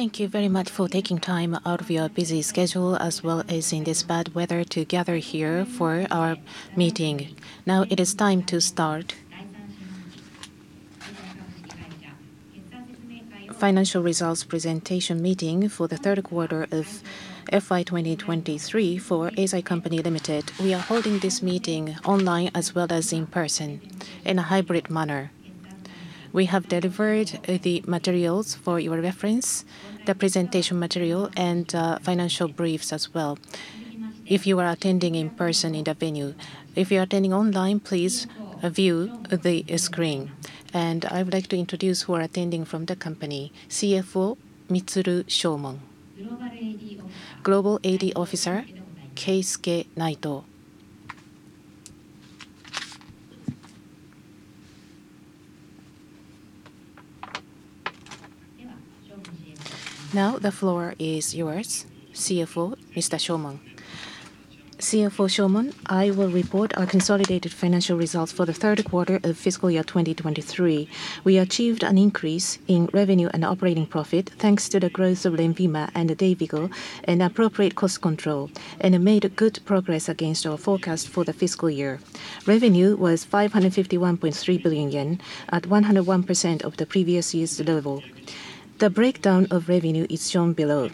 Thank you very much for taking time out of your busy schedule, as well as in this bad weather, to gather here for our meeting. Now it is time to start financial results presentation meeting for the third quarter of FY 2023 for Eisai Company, Limited. We are holding this meeting online as well as in person, in a hybrid manner. We have delivered, the materials for your reference, the presentation material and, financial briefs as well, if you are attending in person in the venue. If you are attending online, please view the screen. I would like to introduce who are attending from the company: CFO, Mitsuru Shomon; Global AD Officer, Keisuke Naito. Now the floor is yours, CFO Mr. Shomon. CFO Shomon. I will report our consolidated financial results for the third quarter of fiscal year 2023. We achieved an increase in revenue and operating profit, thanks to the growth of Lenvima and Dayvigo and appropriate cost control, and it made a good progress against our forecast for the fiscal year. Revenue was 551.3 billion yen, at 101% of the previous year's level. The breakdown of revenue is shown below.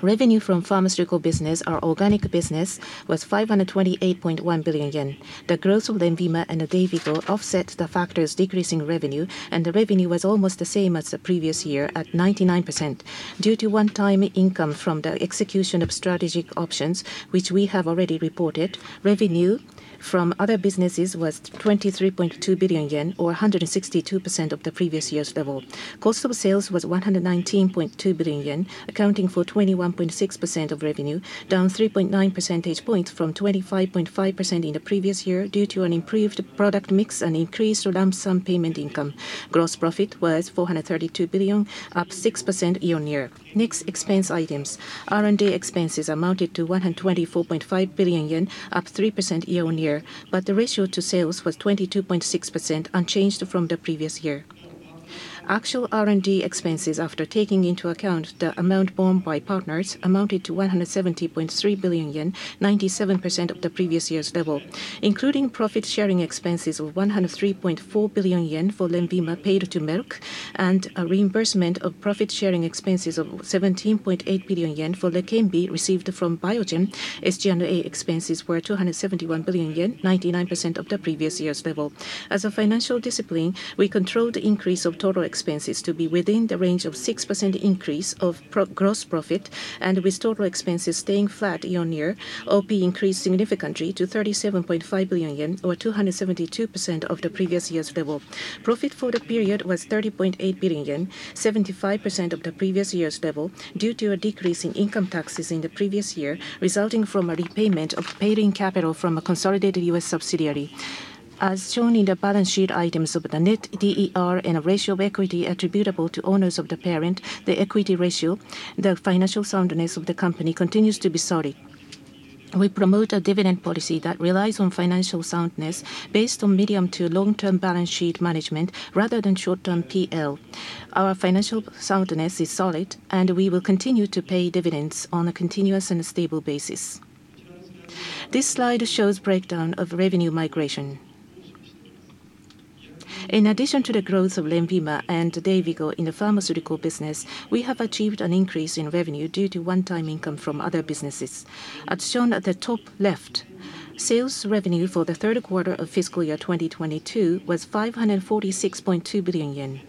Revenue from pharmaceutical business, our organic business, was 528.1 billion yen. The growth of Lenvima and Dayvigo offset the factors decreasing revenue, and the revenue was almost the same as the previous year at 99%. Due to one-time income from the execution of strategic options, which we have already reported, revenue from other businesses was 23.2 billion yen, or 162% of the previous year's level. Cost of sales was 119.2 billion yen, accounting for 21.6% of revenue, down 3.9 percentage points from 25.5% in the previous year due to an improved product mix and increased lump sum payment income. Gross profit was 432 billion, up 6% year-on-year. Next, expense items. R&D expenses amounted to 124.5 billion yen, up 3% year-on-year, but the ratio to sales was 22.6%, unchanged from the previous year. Actual R&D expenses, after taking into account the amount borne by partners, amounted to 170.3 billion yen, 97% of the previous year's level. Including profit sharing expenses of 103.4 billion yen for Lenvima paid to Merck, and a reimbursement of profit sharing expenses of 17.8 billion yen for Leqembi received from Biogen, SG&A expenses were 271 billion yen, 99% of the previous year's level. As a financial discipline, we controlled increase of total expenses to be within the range of 6% increase of gross profit, and with total expenses staying flat year-on-year, OP increased significantly to 37.5 billion yen, or 272% of the previous year's level. Profit for the period was 30.8 billion yen, 75% of the previous year's level, due to a decrease in income taxes in the previous year, resulting from a repayment of paid-in capital from a consolidated U.S. subsidiary. As shown in the balance sheet items of the net DER and a ratio of equity attributable to owners of the parent, the equity ratio, the financial soundness of the company continues to be solid. We promote a dividend policy that relies on financial soundness based on medium to long-term balance sheet management, rather than short-term PL. Our financial soundness is solid, and we will continue to pay dividends on a continuous and stable basis. This slide shows breakdown of revenue migration. In addition to the growth of Lenvima and Dayvigo in the pharmaceutical business, we have achieved an increase in revenue due to one-time income from other businesses. As shown at the top left, sales revenue for the third quarter of fiscal year 2022 was 546.2 billion yen.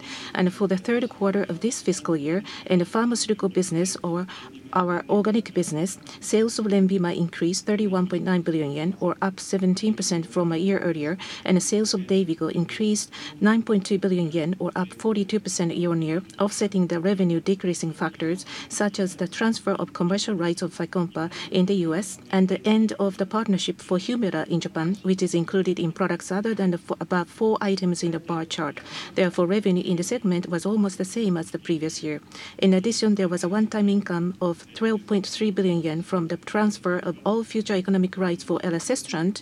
For the third quarter of this fiscal year, in the pharmaceutical business or our organic business, sales of Lenvima increased 31.9 billion yen, or up 17% from a year earlier, and the sales of Dayvigo increased 9.2 billion yen, or up 42% year-on-year, offsetting the revenue-decreasing factors, such as the transfer of commercial rights of Fycompa in the U.S. and the end of the partnership for Humira in Japan, which is included in products other than the above four items in the bar chart. Therefore, revenue in the segment was almost the same as the previous year. In addition, there was a one-time income of 12.3 billion yen from the transfer of all future economic rights for Elacestrant,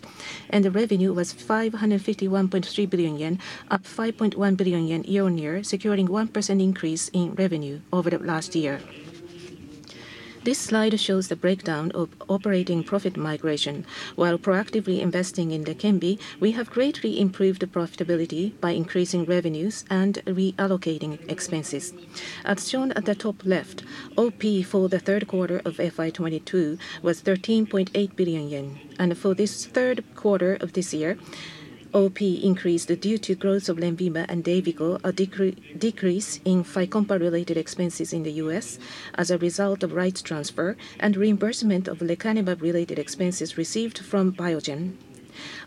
and the revenue was 551.3 billion yen, up 5.1 billion yen year-on-year, securing 1% increase in revenue over the last year. This slide shows the breakdown of operating profit migration. While proactively investing in Leqembi, we have greatly improved the profitability by increasing revenues and reallocating expenses. As shown at the top left, OP for the third quarter of FY 2022 was 13.8 billion yen, and for this third quarter of this year, OP increased due to growth of Lenvima and Dayvigo, a decrease in Fycompa-related expenses in the U.S. as a result of rights transfer, and reimbursement of lecanemab-related expenses received from Biogen.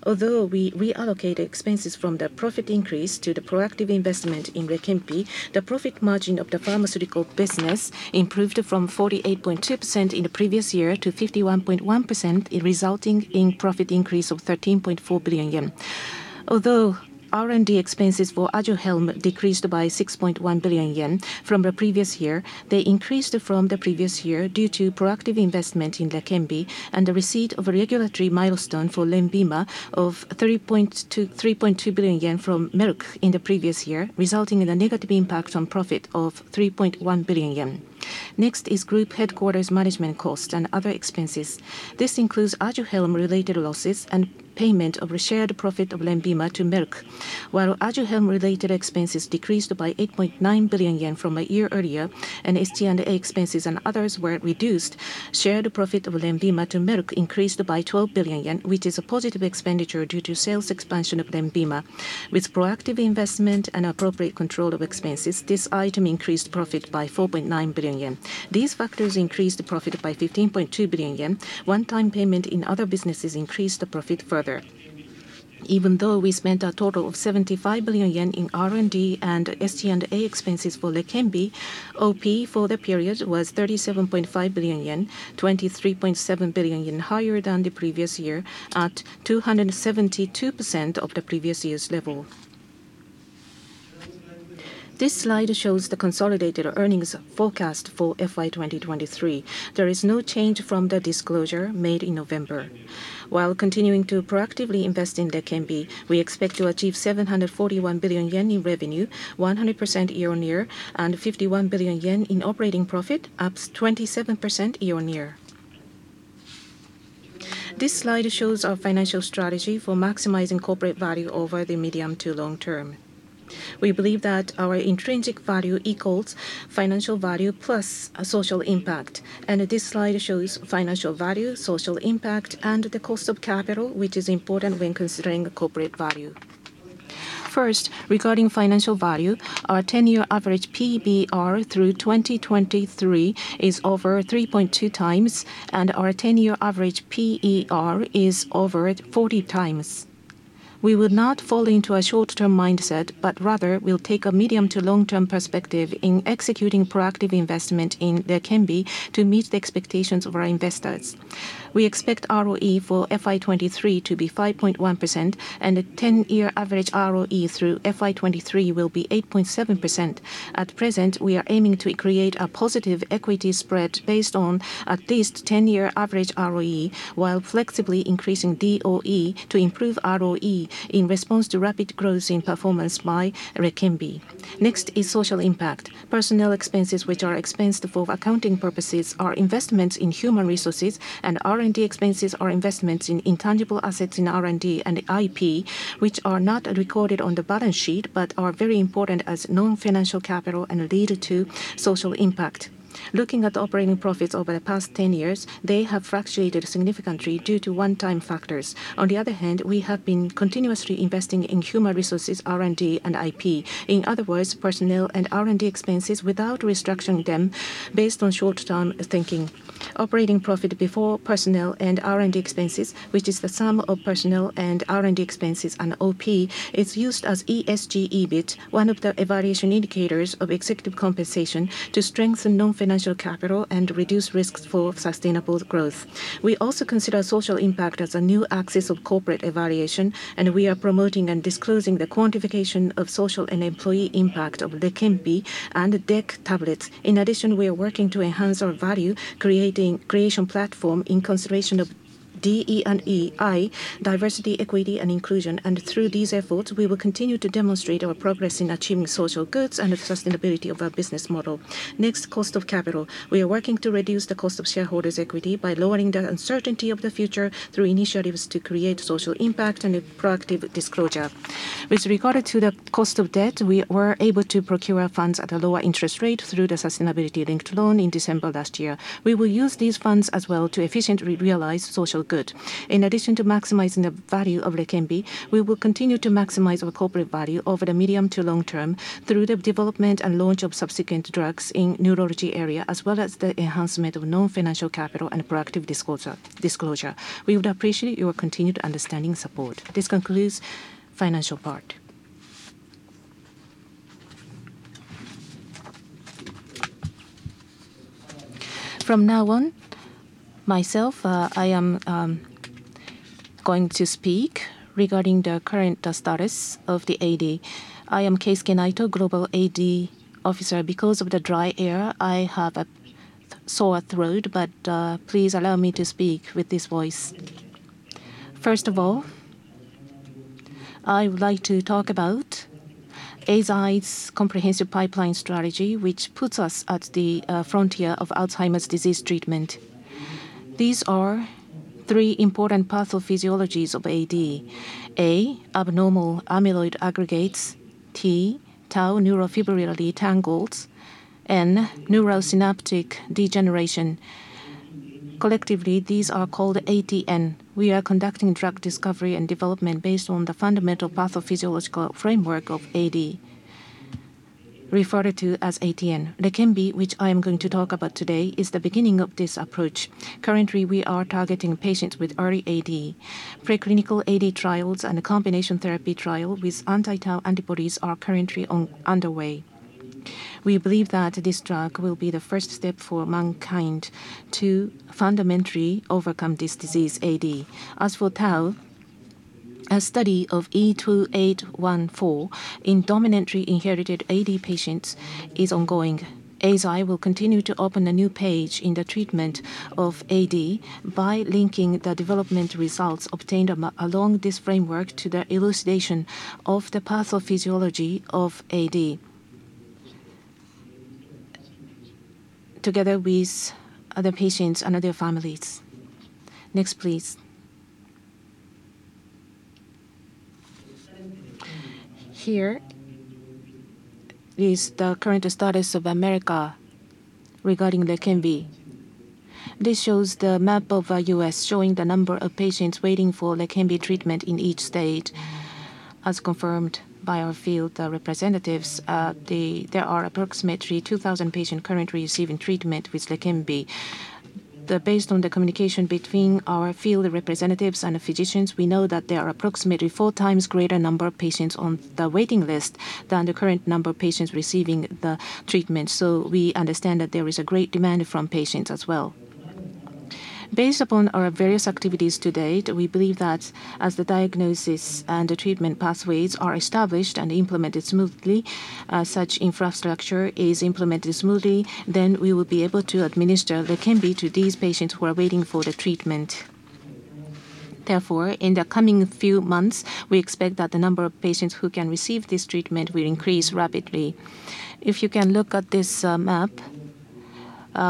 Although we reallocated expenses from the profit increase to the proactive investment in Leqembi, the profit margin of the pharmaceutical business improved from 48.2% in the previous year to 51.1%, resulting in profit increase of 13.4 billion yen. Although R&D expenses for Aduhelm decreased by 6.1 billion yen from the previous year, they increased from the previous year due to proactive investment in Leqembi and the receipt of a regulatory milestone for Lenvima of 3.2, 3.2 billion yen from Merck in the previous year, resulting in a negative impact on profit of 3.1 billion yen. Next is group headquarters' management costs and other expenses. This includes Aduhelm related losses and payment of the shared profit of Lenvima to Merck. While Aduhelm-related expenses decreased by 8.9 billion yen from a year earlier, and SG&A expenses and others were reduced, shared profit of Lenvima to Merck increased by 12 billion yen, which is a positive expenditure due to sales expansion of Lenvima. With proactive investment and appropriate control of expenses, this item increased profit by 4.9 billion yen. These factors increased the profit by 15.2 billion yen. One-time payment in other businesses increased the profit further. Even though we spent a total of 75 billion yen in R&D and SG&A expenses for Leqembi, OP for the period was 37.5 billion yen, 23.7 billion yen higher than the previous year, at 272% of the previous year's level. This slide shows the consolidated earnings forecast for FY 2023. There is no change from the disclosure made in November. While continuing to proactively invest in Leqembi, we expect to achieve 741 billion yen in revenue, 100% year-on-year, and 51 billion yen in operating profit, up 27% year-on-year. This slide shows our financial strategy for maximizing corporate value over the medium to long term. We believe that our intrinsic value equals financial value plus a social impact, and this slide shows financial value, social impact, and the cost of capital, which is important when considering the corporate value. First, regarding financial value, our 10-year average PBR through 2023 is over 3.2 times, and our 10-year average PER is over 40 times. We will not fall into a short-term mindset, but rather we'll take a medium to long-term perspective in executing proactive investment in Leqembi to meet the expectations of our investors. We expect ROE for FY 2023 to be 5.1%, and the 10-year average ROE through FY 2023 will be 8.7%. At present, we are aiming to create a positive equity spread based on at least 10-year average ROE, while flexibly increasing DOE to improve ROE in response to rapid growth in performance by Leqembi. Next is social impact. Personnel expenses, which are expensed for accounting purposes, are investments in human resources, and R&D expenses are investments in intangible assets in R&D and IP, which are not recorded on the balance sheet, but are very important as non-financial capital and lead to social impact. Looking at the operating profits over the past 10 years, they have fluctuated significantly due to one-time factors. On the other hand, we have been continuously investing in human resources, R&D, and IP. In other words, personnel and R&D expenses without restricting them based on short-term thinking. Operating profit before personnel and R&D expenses, which is the sum of personnel and R&D expenses and OP, is used as ESG EBIT, one of the evaluation indicators of executive compensation, to strengthen non-financial capital and reduce risks for sustainable growth. We also consider social impact as a new axis of corporate evaluation, and we are promoting and disclosing the quantification of social and employee impact of Leqembi and the DEC tablets. In addition, we are working to enhance our value, creating creation platform in consideration of DE&I, diversity, equity, and inclusion. Through these efforts, we will continue to demonstrate our progress in achieving social goods and the sustainability of our business model. Next, cost of capital. We are working to reduce the cost of shareholders' equity by lowering the uncertainty of the future through initiatives to create social impact and a proactive disclosure. With regard to the cost of debt, we were able to procure funds at a lower interest rate through the sustainability-linked loan in December last year. We will use these funds as well to efficiently realize social good. In addition to maximizing the value of Leqembi, we will continue to maximize our corporate value over the medium to long term through the development and launch of subsequent drugs in neurology area, as well as the enhancement of non-financial capital and proactive disclosure, disclosure. We would appreciate your continued understanding and support. This concludes financial part. From now on, myself, I am, going to speak regarding the current, status of the AD. I am Keisuke Naito, Global AD Officer. Because of the dry air, I have a sore throat, but please allow me to speak with this voice. First of all, I would like to talk about Eisai's comprehensive pipeline strategy, which puts us at the frontier of Alzheimer's disease treatment. These are three important pathophysiologies of AD: A, abnormal amyloid aggregates; T, tau neurofibrillary tangles; N, neurodegeneration. Collectively, these are called ATN. We are conducting drug discovery and development based on the fundamental pathophysiological framework of AD, referred to as ATN. Leqembi, which I am going to talk about today, is the beginning of this approach. Currently, we are targeting patients with early AD. Preclinical AD trials and a combination therapy trial with anti-tau antibodies are currently underway.... We believe that this drug will be the first step for mankind to fundamentally overcome this disease, AD. As for tau, a study of E2814 in dominantly inherited AD patients is ongoing. Eisai will continue to open a new page in the treatment of AD by linking the development results obtained along this framework to the elucidation of the pathophysiology of AD. Together with other patients and other families. Next, please. Here is the current status of America regarding Leqembi. This shows the map of U.S., showing the number of patients waiting for Leqembi treatment in each state. As confirmed by our field representatives, there are approximately 2,000 patients currently receiving treatment with Leqembi. Based on the communication between our field representatives and the physicians, we know that there are approximately four times greater number of patients on the waiting list than the current number of patients receiving the treatment, so we understand that there is a great demand from patients as well. Based upon our various activities to date, we believe that as the diagnosis and the treatment pathways are established and implemented smoothly, such infrastructure is implemented smoothly, then we will be able to administer Leqembi to these patients who are waiting for the treatment. Therefore, in the coming few months, we expect that the number of patients who can receive this treatment will increase rapidly. If you can look at this map,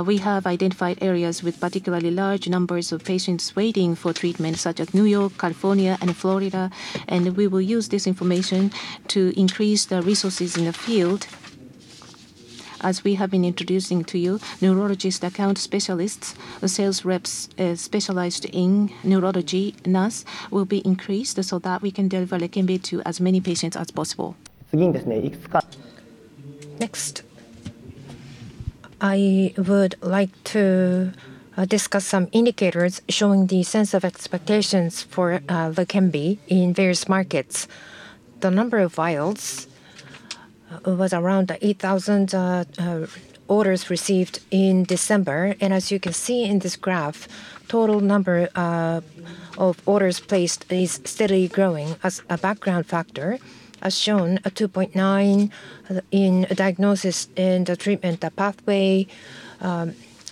we have identified areas with particularly large numbers of patients waiting for treatment, such as New York, California, and Florida, and we will use this information to increase the resources in the field. As we have been introducing to you, Neurology Account Specialists or sales reps, specialized in neurology, NAS, will be increased so that we can deliver Leqembi to as many patients as possible. Next, I would like to discuss some indicators showing the sense of expectations for Leqembi in various markets. The number of vials was around 8,000 orders received in December. As you can see in this graph, total number of orders placed is steadily growing. As a background factor, as shown, a 2.9 in diagnosis and the treatment, the pathway.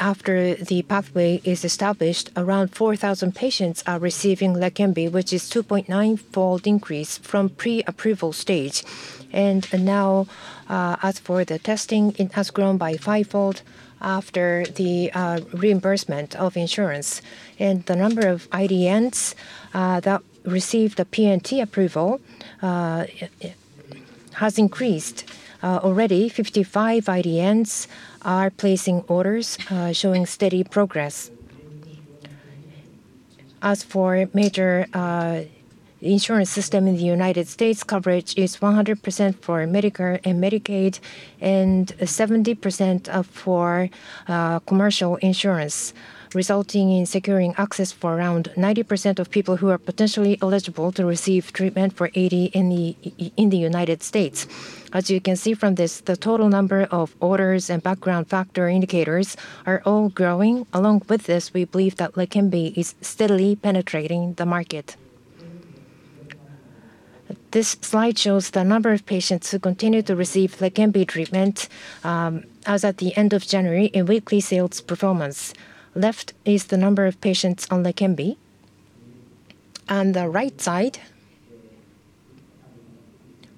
After the pathway is established, around 4,000 patients are receiving Leqembi, which is 2.9-fold increase from pre-approval stage. Now, as for the testing, it has grown by fivefold after the reimbursement of insurance. The number of IDNs that received the P&T approval has increased. Already 55 IDNs are placing orders, showing steady progress. As for major insurance system in the United States, coverage is 100% for Medicare and Medicaid, and 70% for commercial insurance, resulting in securing access for around 90% of people who are potentially eligible to receive treatment for AD in the United States. As you can see from this, the total number of orders and background factor indicators are all growing. Along with this, we believe that Leqembi is steadily penetrating the market. This slide shows the number of patients who continue to receive Leqembi treatment, as at the end of January, a weekly sales performance. Left is the number of patients on Leqembi, and the right side.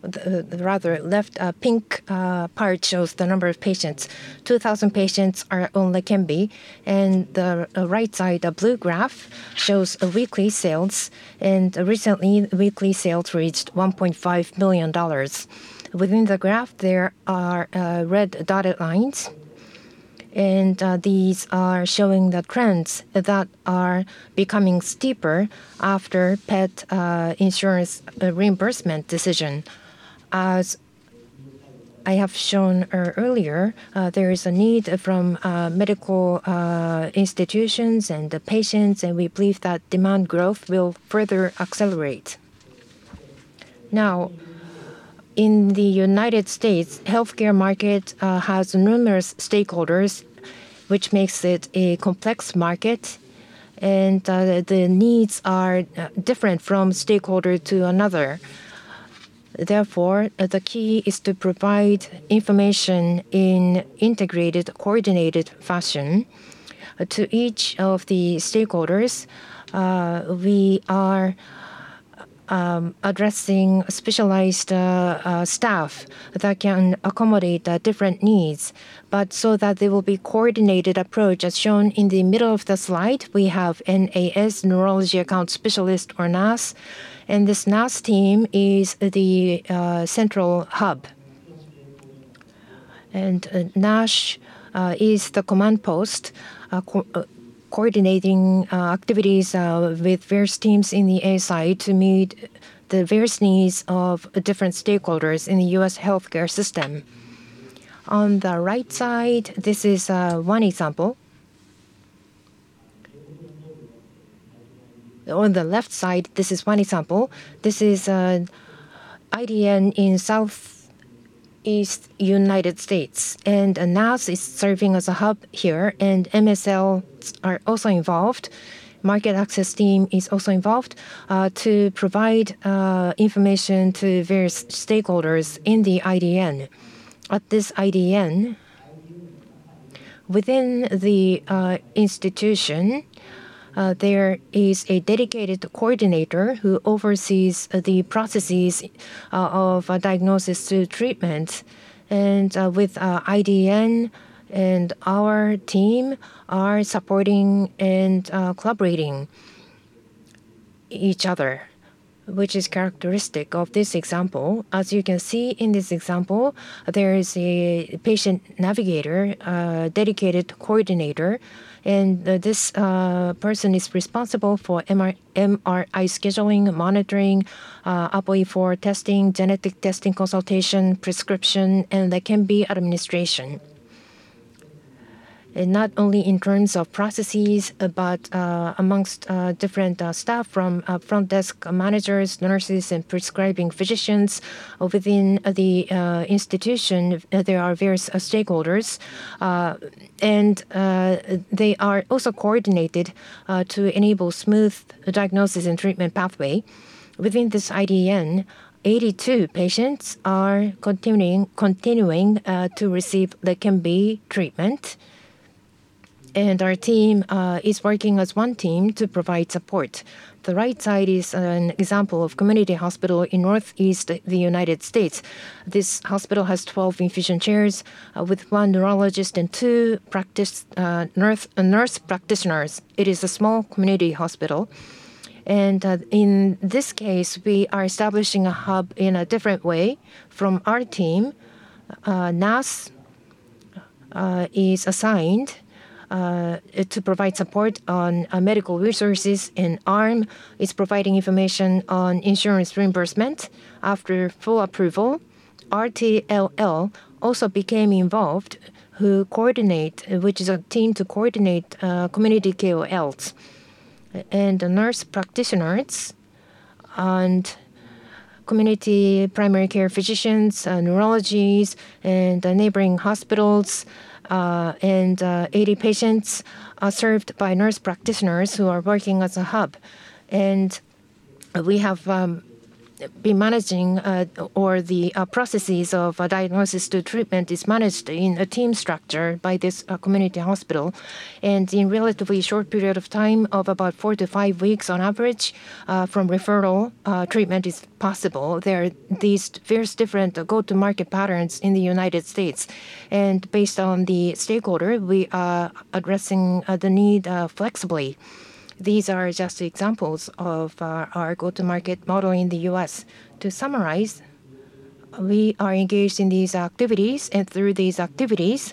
The rather left pink part shows the number of patients. 2,000 patients are on Leqembi, and the right side, the blue graph, shows the weekly sales, and recently, weekly sales reached $1.5 million. Within the graph, there are red dotted lines, and these are showing the trends that are becoming steeper after the insurance reimbursement decision. As I have shown earlier, there is a need from medical institutions and the patients, and we believe that demand growth will further accelerate. Now, in the United States healthcare market has numerous stakeholders, which makes it a complex market, and the needs are different from stakeholder to another. Therefore, the key is to provide information in integrated, coordinated fashion. To each of the stakeholders, we are addressing specialized staff that can accommodate the different needs, but so that there will be coordinated approach. As shown in the middle of the slide, we have NAS, Neurology Account Specialist, or NAS, and this NAS team is the central hub. And NASH is the command post, coordinating activities with various teams in the Eisai to meet the various needs of different stakeholders in the U.S. healthcare system. On the right side, this is one example.... On the left side, this is one example. This is IDN in Southeast United States, and NAS is serving as a hub here, and MSL are also involved. Market access team is also involved to provide information to various stakeholders in the IDN. At this IDN, within the institution, there is a dedicated coordinator who oversees the processes of a diagnosis to treatment. And with IDN and our team are supporting and collaborating each other, which is characteristic of this example. As you can see in this example, there is a patient navigator, a dedicated coordinator, and this person is responsible for MRI-MRI scheduling, monitoring, APOE4 testing, genetic testing, consultation, prescription, and they can be administration. And not only in terms of processes, but amongst different staff from front desk managers, nurses, and prescribing physicians. Within the institution, there are various stakeholders, and they are also coordinated to enable smooth diagnosis and treatment pathway. Within this IDN, 82 patients are continuing to receive the Leqembi treatment, and our team is working as one team to provide support. The right side is an example of community hospital in Northeast, the United States. This hospital has 12 infusion chairs, with 1 neurologist and 2 practice nurse practitioners. It is a small community hospital, and in this case, we are establishing a hub in a different way from our team. NAS is assigned to provide support on medical resources, and ARM is providing information on insurance reimbursement. After full approval, RTLL also became involved, who coordinate... Which is a team to coordinate community KOLs and the nurse practitioners and community primary care physicians, neurologists in the neighboring hospitals. 80 patients are served by nurse practitioners who are working as a hub. We have been managing, or the processes of diagnosis to treatment is managed in a team structure by this community hospital. In a relatively short period of time, of about 4-5 weeks on average, from referral, treatment is possible. There are these various different go-to-market patterns in the United States, and based on the stakeholder, we are addressing the need flexibly. These are just examples of our go-to-market model in the U.S. To summarize, we are engaged in these activities, and through these activities,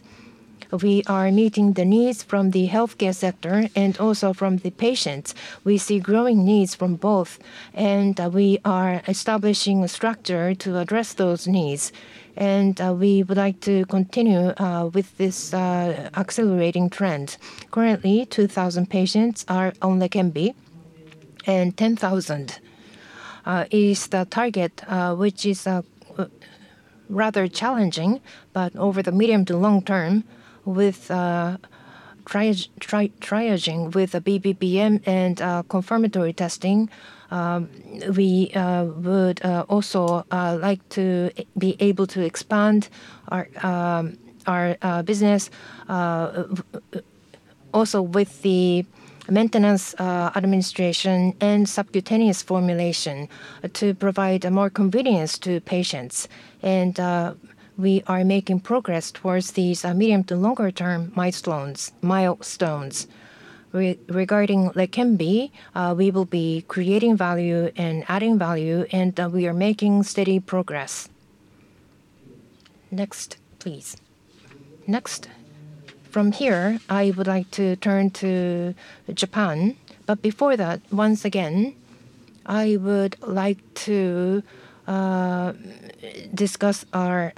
we are meeting the needs from the healthcare sector and also from the patients. We see growing needs from both, and we are establishing a structure to address those needs, and we would like to continue with this accelerating trend. Currently, 2,000 patients are on Leqembi, and 10,000 is the target, which is rather challenging. But over the medium to long term, with triaging, with a BBM and confirmatory testing, we would also like to be able to expand our business also with the maintenance administration and subcutaneous formulation, to provide more convenience to patients. And we are making progress towards these medium to longer term milestones. Regarding Leqembi, we will be creating value and adding value, and we are making steady progress. Next, please. Next, from here, I would like to turn to Japan. But before that, once again, I would like to discuss our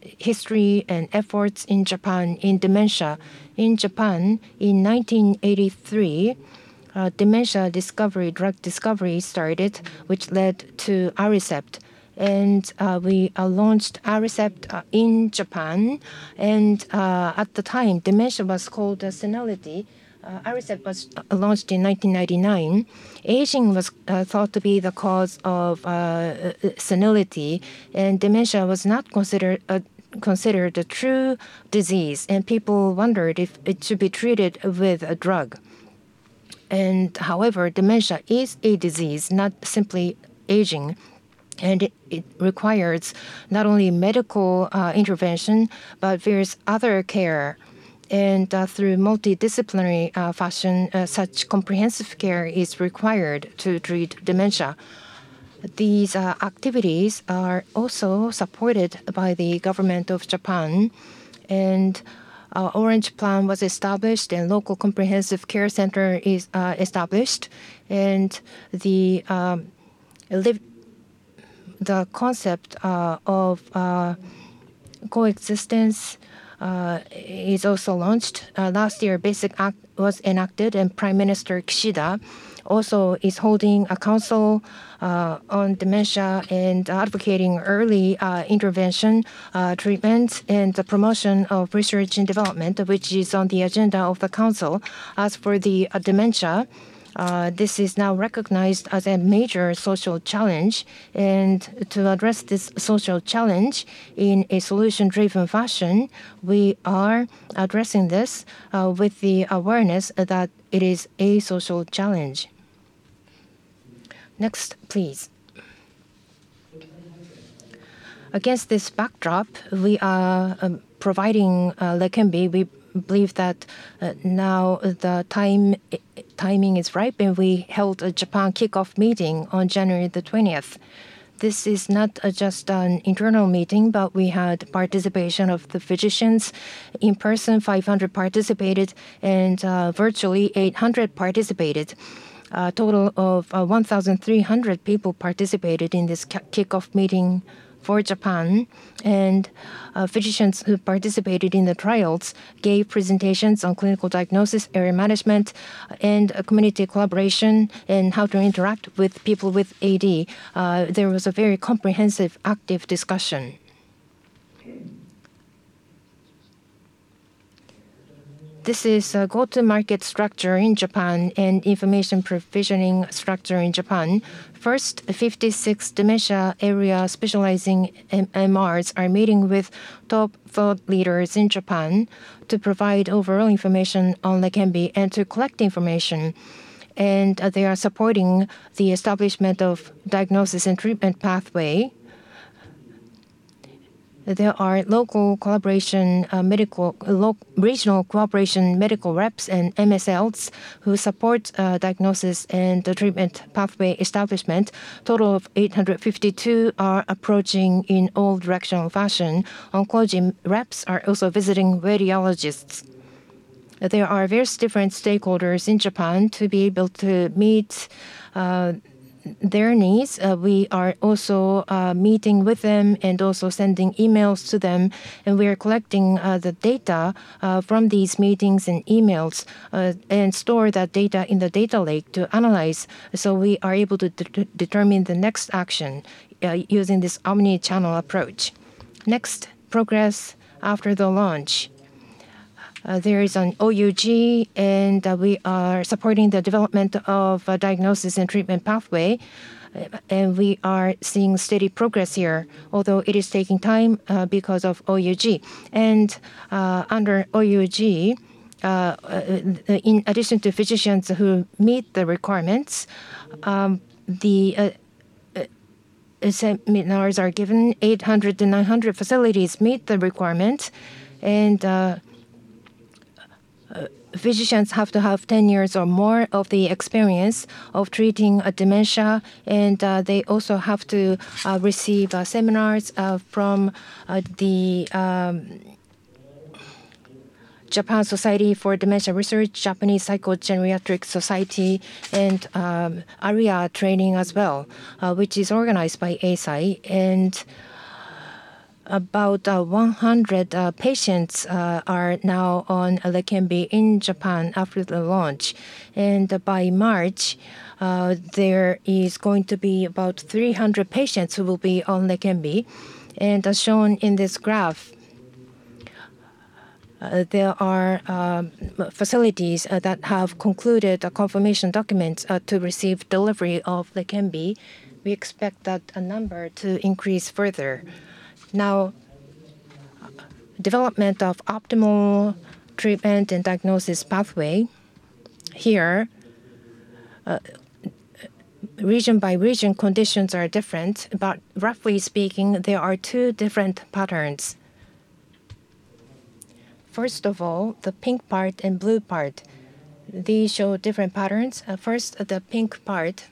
history and efforts in Japan in dementia. In Japan, in 1983, dementia discovery, drug discovery started, which led to Aricept, and we launched Aricept in Japan. And at the time, dementia was called senility. Aricept was launched in 1999. Aging was thought to be the cause of senility, and dementia was not considered, considered a true disease, and people wondered if it should be treated with a drug. And however, dementia is a disease, not simply aging, and it requires not only medical intervention, but various other care. And through multidisciplinary fashion, such comprehensive care is required to treat dementia. These activities are also supported by the government of Japan, and Orange Plan was established, and Community General Support Center is established, and the concept of coexistence is also launched. Last year, Basic Act was enacted, and Prime Minister Kishida also is holding a council on dementia and advocating early intervention, treatment, and the promotion of research and development, which is on the agenda of the council. As for the dementia, this is now recognized as a major social challenge. To address this social challenge in a solution-driven fashion, we are addressing this with the awareness that it is a social challenge. Next, please. Against this backdrop, we are providing Leqembi. We believe that now the timing is ripe, and we held a Japan kickoff meeting on January 20th. This is not just an internal meeting, but we had participation of the physicians. In person, 500 participated, and virtually, 800 participated. A total of 1,300 people participated in this kickoff meeting for Japan. Physicians who participated in the trials gave presentations on clinical diagnosis, area management, and community collaboration, and how to interact with people with AD. There was a very comprehensive, active discussion. This is a go-to-market structure in Japan and information provisioning structure in Japan. First, 56 dementia area specializing MRs are meeting with top thought leaders in Japan to provide overall information on Leqembi and to collect information, and they are supporting the establishment of diagnosis and treatment pathway. There are local collaboration medical local regional cooperation medical reps and MSLs who support diagnosis and the treatment pathway establishment. Total of 852 are approaching in all directional fashion. Oncology reps are also visiting radiologists. There are various different stakeholders in Japan to be able to meet their needs. We are also meeting with them and also sending emails to them, and we are collecting the data from these meetings and emails and store that data in the data lake to analyze, so we are able to determine the next action using this omni-channel approach. Next, progress after the launch. There is an OUG, and we are supporting the development of a diagnosis and treatment pathway, and we are seeing steady progress here, although it is taking time because of OUG. Under OUG, in addition to physicians who meet the requirements, the seminars are given. 800-900 facilities meet the requirement, and physicians have to have 10 years or more of the experience of treating dementia, and they also have to receive seminars from the Japan Society for Dementia Research, Japanese Psychogeriatric Society, and area training as well, which is organized by Eisai. About 100 patients are now on Leqembi in Japan after the launch. By March, there is going to be about 300 patients who will be on Leqembi. As shown in this graph, there are facilities that have concluded a confirmation document to receive delivery of Leqembi. We expect that number to increase further. Now, development of optimal treatment and diagnosis pathway. Here, region by region, conditions are different, but roughly speaking, there are two different patterns. First of all, the pink part and blue part, these show different patterns. First, the pink part.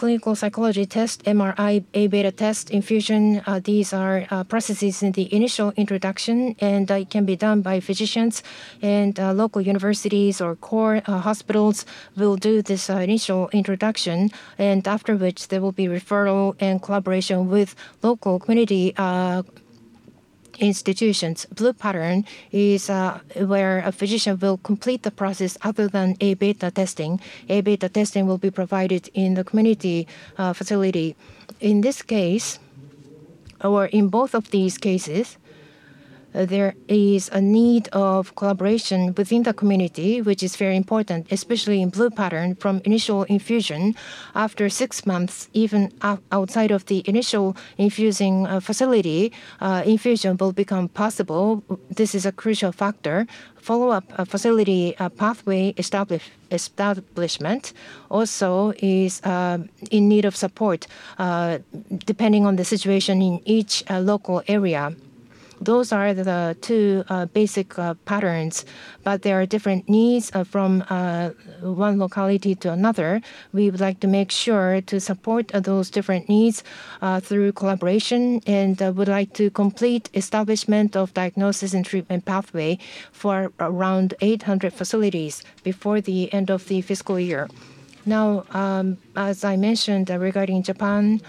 Clinical psychology test, MRI, A-beta test, infusion, these are processes in the initial introduction, and it can be done by physicians and local universities or core hospitals will do this initial introduction, and after which there will be referral and collaboration with local community institutions. Blue pattern is where a physician will complete the process other than A-beta testing. A-beta testing will be provided in the community facility. In this case, or in both of these cases, there is a need of collaboration within the community, which is very important, especially in blue pattern from initial infusion. After six months, even outside of the initial infusing facility, infusion will become possible. This is a crucial factor. Follow-up facility pathway establishment also is in need of support, depending on the situation in each local area. Those are the two basic patterns, but there are different needs from one locality to another. We would like to make sure to support those different needs through collaboration, and would like to complete establishment of diagnosis and treatment pathway for around 800 facilities before the end of the fiscal year. Now, as I mentioned, regarding Japan,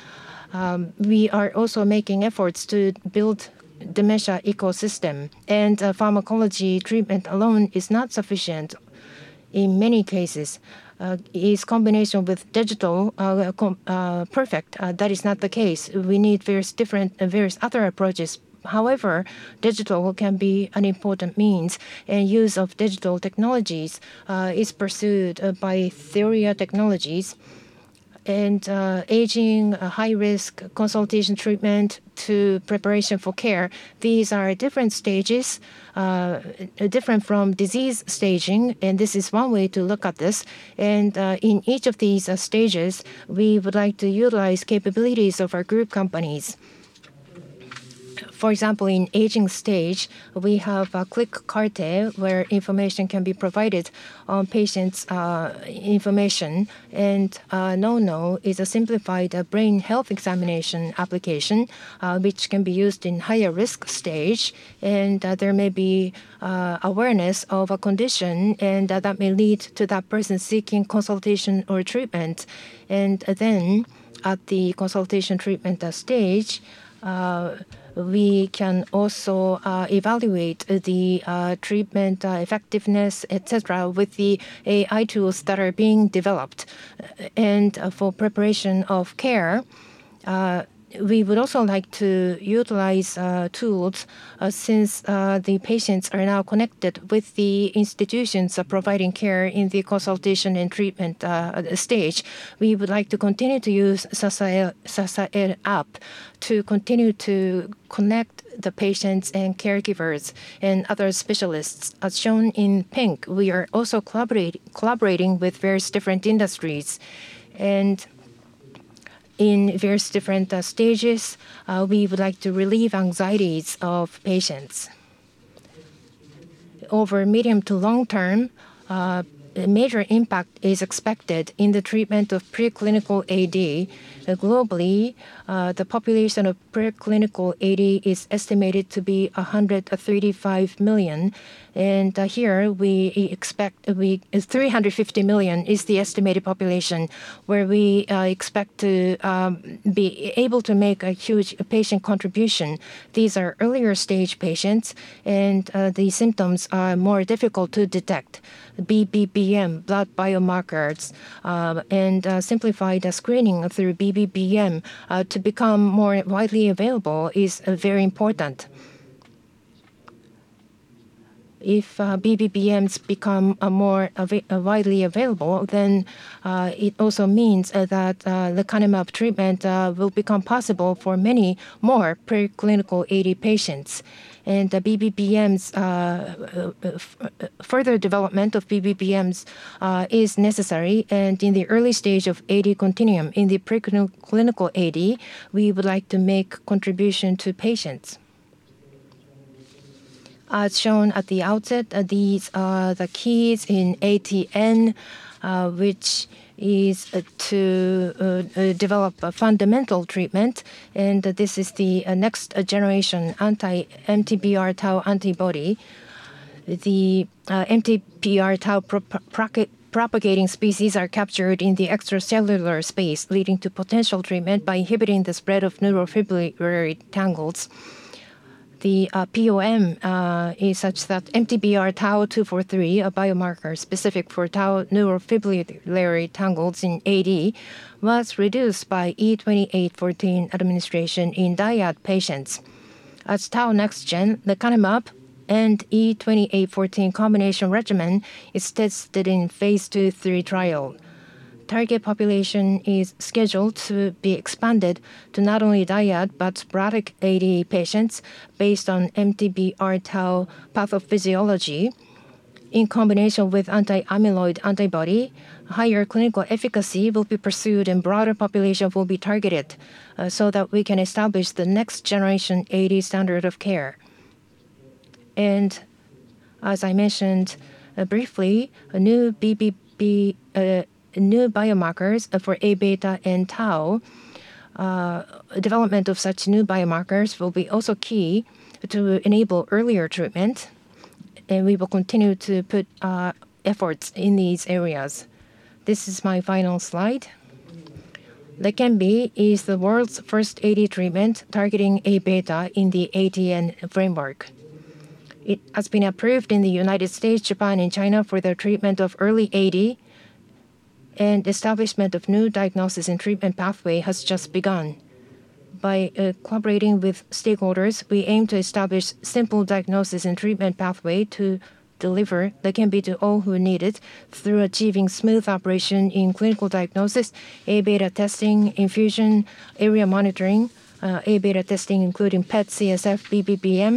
we are also making efforts to build dementia ecosystem, and pharmacology treatment alone is not sufficient in many cases. Is combination with digital perfect? That is not the case. We need various different and various other approaches. However, digital can be an important means, and use of digital technologies is pursued by Theoria Technologies. Aging, a high risk consultation treatment to preparation for care, these are different stages, different from disease staging, and this is one way to look at this. In each of these stages, we would like to utilize capabilities of our group companies. For example, in aging stage, we have a Quick Karte where information can be provided on patients' information. NouKNOW is a simplified brain health examination application, which can be used in higher risk stage, and there may be awareness of a condition, and that may lead to that person seeking consultation or treatment. Then, at the consultation treatment stage, we can also evaluate the treatment effectiveness, et cetera, with the AI tools that are being developed. For preparation of care, we would also like to utilize tools, since the patients are now connected with the institutions providing care in the consultation and treatment stage. We would like to continue to use Sasae-ai app to continue to connect the patients and caregivers and other specialists. As shown in pink, we are also collaborating with various different industries. In various different stages, we would like to relieve anxieties of patients. Over medium to long term, a major impact is expected in the treatment of preclinical AD. Globally, the population of preclinical AD is estimated to be 135 million, and here we expect 350 million is the estimated population, where we expect to be able to make a huge patient contribution. These are earlier stage patients, and the symptoms are more difficult to detect. BBM, blood biomarkers, and simplified screening through BBM to become more widely available is very important. If BBMs become more widely available, then it also means that lecanemab treatment will become possible for many more preclinical AD patients. And further development of BBMs is necessary, and in the early stage of AD continuum, in the preclinical AD, we would like to make contribution to patients. As shown at the outset, these are the keys in ATN, which is to develop a fundamental treatment, and this is the next generation anti-MTBR tau antibody. The MTBR tau propagating species are captured in the extracellular space, leading to potential treatment by inhibiting the spread of neurofibrillary tangles. The POM is such that MTBR tau 243, a biomarker specific for tau neurofibrillary tangles in AD, was reduced by E2814 administration in DIAD patients. As tau next gen, lecanemab and E2814 combination regimen is tested in phase 2/3 trial. Target population is scheduled to be expanded to not only DIAD, but sporadic AD patients based on MTBR tau pathophysiology. In combination with anti-amyloid antibody, higher clinical efficacy will be pursued and broader population will be targeted, so that we can establish the next generation AD standard of care. And as I mentioned, briefly, a new BBB, new biomarkers for A-beta and tau, development of such new biomarkers will be also key to enable earlier treatment, and we will continue to put efforts in these areas. This is my final slide. Leqembi is the world's first AD treatment, targeting A-beta in the ATN framework. It has been approved in the United States, Japan, and China for the treatment of early AD, and establishment of new diagnosis and treatment pathway has just begun. By collaborating with stakeholders, we aim to establish simple diagnosis and treatment pathway to deliver Leqembi to all who need it through achieving smooth operation in clinical diagnosis, A-beta testing, infusion, ARIA monitoring, A-beta testing, including PET, CSF, BBM....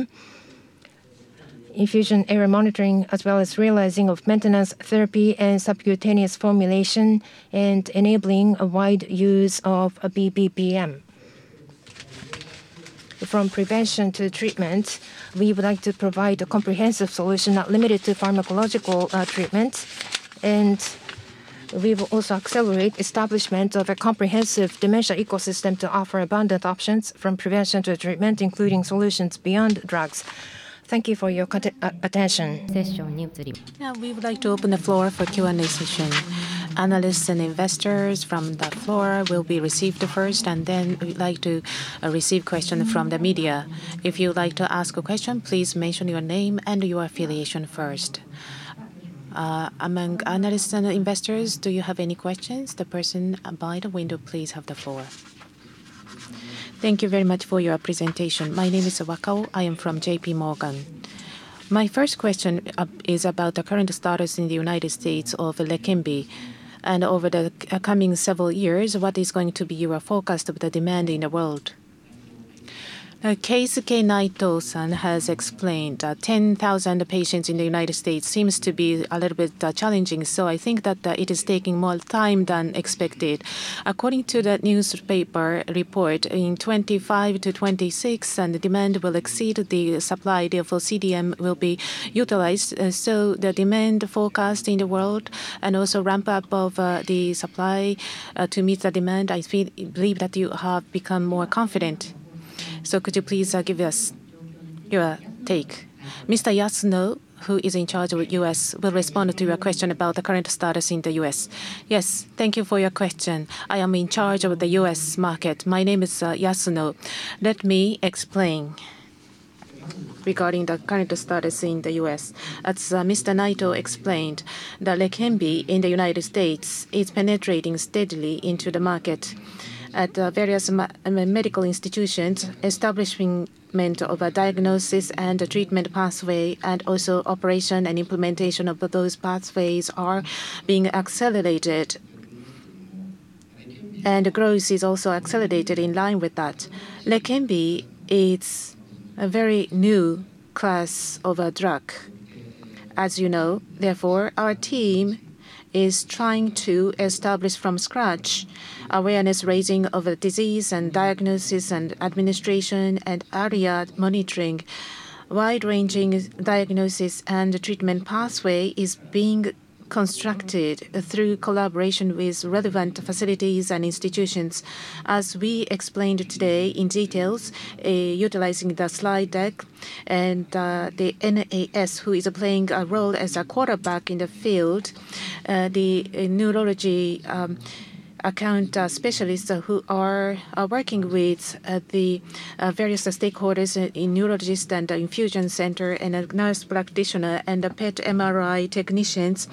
infusion error monitoring, as well as realizing of maintenance therapy and subcutaneous formulation, and enabling a wide use of BBM. From prevention to treatment, we would like to provide a comprehensive solution, not limited to pharmacological treatments. And we will also accelerate establishment of a comprehensive dementia ecosystem to offer abundant options from prevention to treatment, including solutions beyond drugs. Thank you for your continued attention. Now, we would like to open the floor for Q&A session. Analysts and investors from the floor will be received first, and then we'd like to receive question from the media. If you'd like to ask a question, please mention your name and your affiliation first. Among analysts and investors, do you have any questions? The person by the window, please have the floor. Thank you very much for your presentation. My name is Wakao. I am from JPMorgan. My first question is about the current status in the United States of Leqembi, and over the coming several years, what is going to be your forecast of the demand in the world? Keisuke Naito-san has explained, 10,000 patients in the United States seems to be a little bit challenging, so I think that it is taking more time than expected. According to the newspaper report, in 2025-2026, and the demand will exceed the supply, therefore CDM will be utilized. So the demand forecast in the world and also ramp-up of the supply to meet the demand, I feel- believe that you have become more confident. So could you please give us your take? Mr. Yasuno, who is in charge of U.S., will respond to your question about the current status in the U.S. Yes. Thank you for your question. I am in charge of the U.S. market. My name is Yasuno. Let me explain regarding the current status in the U.S. As Mr. Naito explained, the Leqembi in the United States is penetrating steadily into the market. At various medical institutions, establishment of a diagnosis and a treatment pathway, and also operation and implementation of those pathways are being accelerated. And the growth is also accelerated in line with that. Leqembi, it's a very new class of a drug, as you know. Therefore, our team is trying to establish from scratch awareness raising of a disease and diagnosis and administration and ARIA monitoring. Wide-ranging diagnosis and treatment pathway is being constructed through collaboration with relevant facilities and institutions. As we explained today in detail, utilizing the slide deck and the NAS, who is playing a role as a quarterback in the field, the neurology account specialists who are working with the various stakeholders in neurologists and infusion centers and nurse practitioners and the PET/MRI technicians.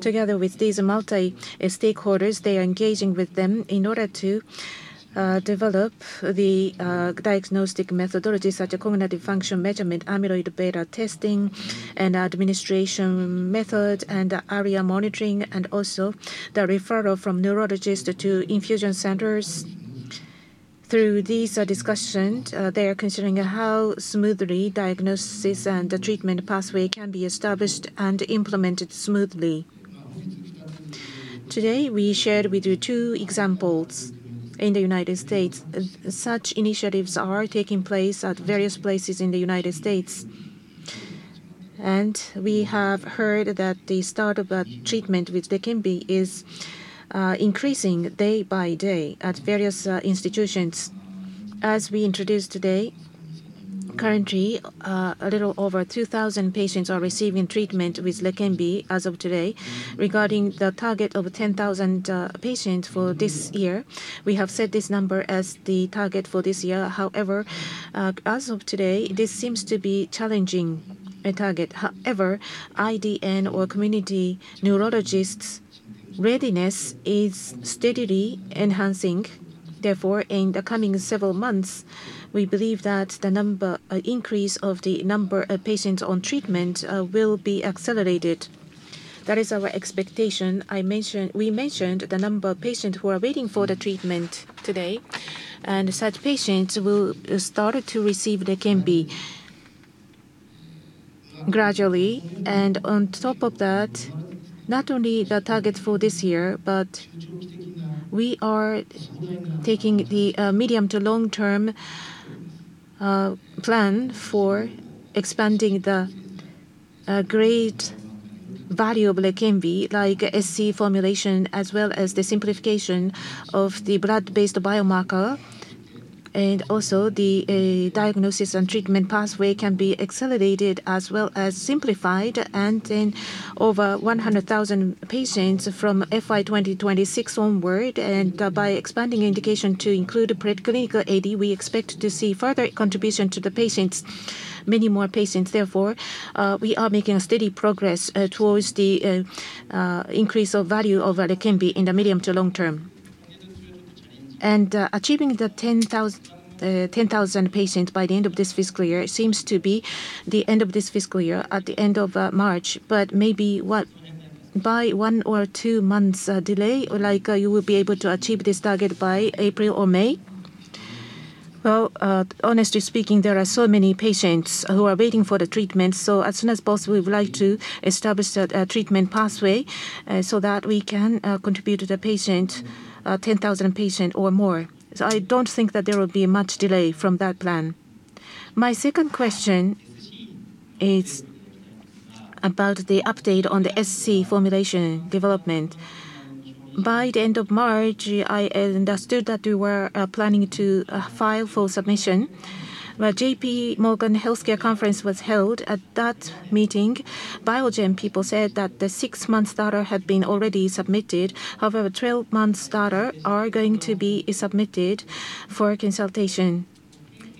Together with these multi-stakeholders, they are engaging with them in order to develop the diagnostic methodology, such as cognitive function measurement, amyloid beta testing and administration method, and ARIA monitoring, and also the referral from neurologists to infusion centers. Through these discussions, they are considering how smoothly diagnosis and the treatment pathway can be established and implemented smoothly. Today, we shared with you two examples in the United States. Such initiatives are taking place at various places in the United States, and we have heard that the start of that treatment with Leqembi is increasing day by day at various institutions. As we introduced today, currently, a little over 2,000 patients are receiving treatment with Leqembi as of today. Regarding the target of 10,000 patients for this year, we have set this number as the target for this year. However, as of today, this seems to be challenging a target. However, IDN or community neurologists' readiness is steadily enhancing. Therefore, in the coming several months, we believe that the number increase of the number of patients on treatment will be accelerated. That is our expectation. I mentioned - we mentioned the number of patients who are waiting for the treatment today, and such patients will start to receive Leqembi gradually. On top of that, not only the target for this year, but we are taking the medium to long-term plan for expanding the great value of Leqembi, like SC formulation, as well as the simplification of the blood-based biomarker. Also, the diagnosis and treatment pathway can be accelerated as well as simplified, and in over 100,000 patients from FY 2026 onward. By expanding indication to include a preclinical AD, we expect to see further contribution to the patients, many more patients. Therefore, we are making steady progress towards the increase of value of Leqembi in the medium to long term. Achieving the 10,000 patients by the end of this fiscal year seems to be the end of this fiscal year, at the end of March. But maybe what, by 1 or 2 months, delay, like, you will be able to achieve this target by April or May? Well, honestly speaking, there are so many patients who are waiting for the treatment, so as soon as possible, we would like to establish the treatment pathway, so that we can contribute to the patient, 10,000 patient or more. So I don't think that there will be much delay from that plan. My second question is about the update on the SC formulation development. By the end of March, I understood that you were planning to file for submission. When J.P. Morgan Healthcare Conference was held, at that meeting, Biogen people said that the 6-month data had been already submitted. However, 12-month data are going to be submitted for consultation.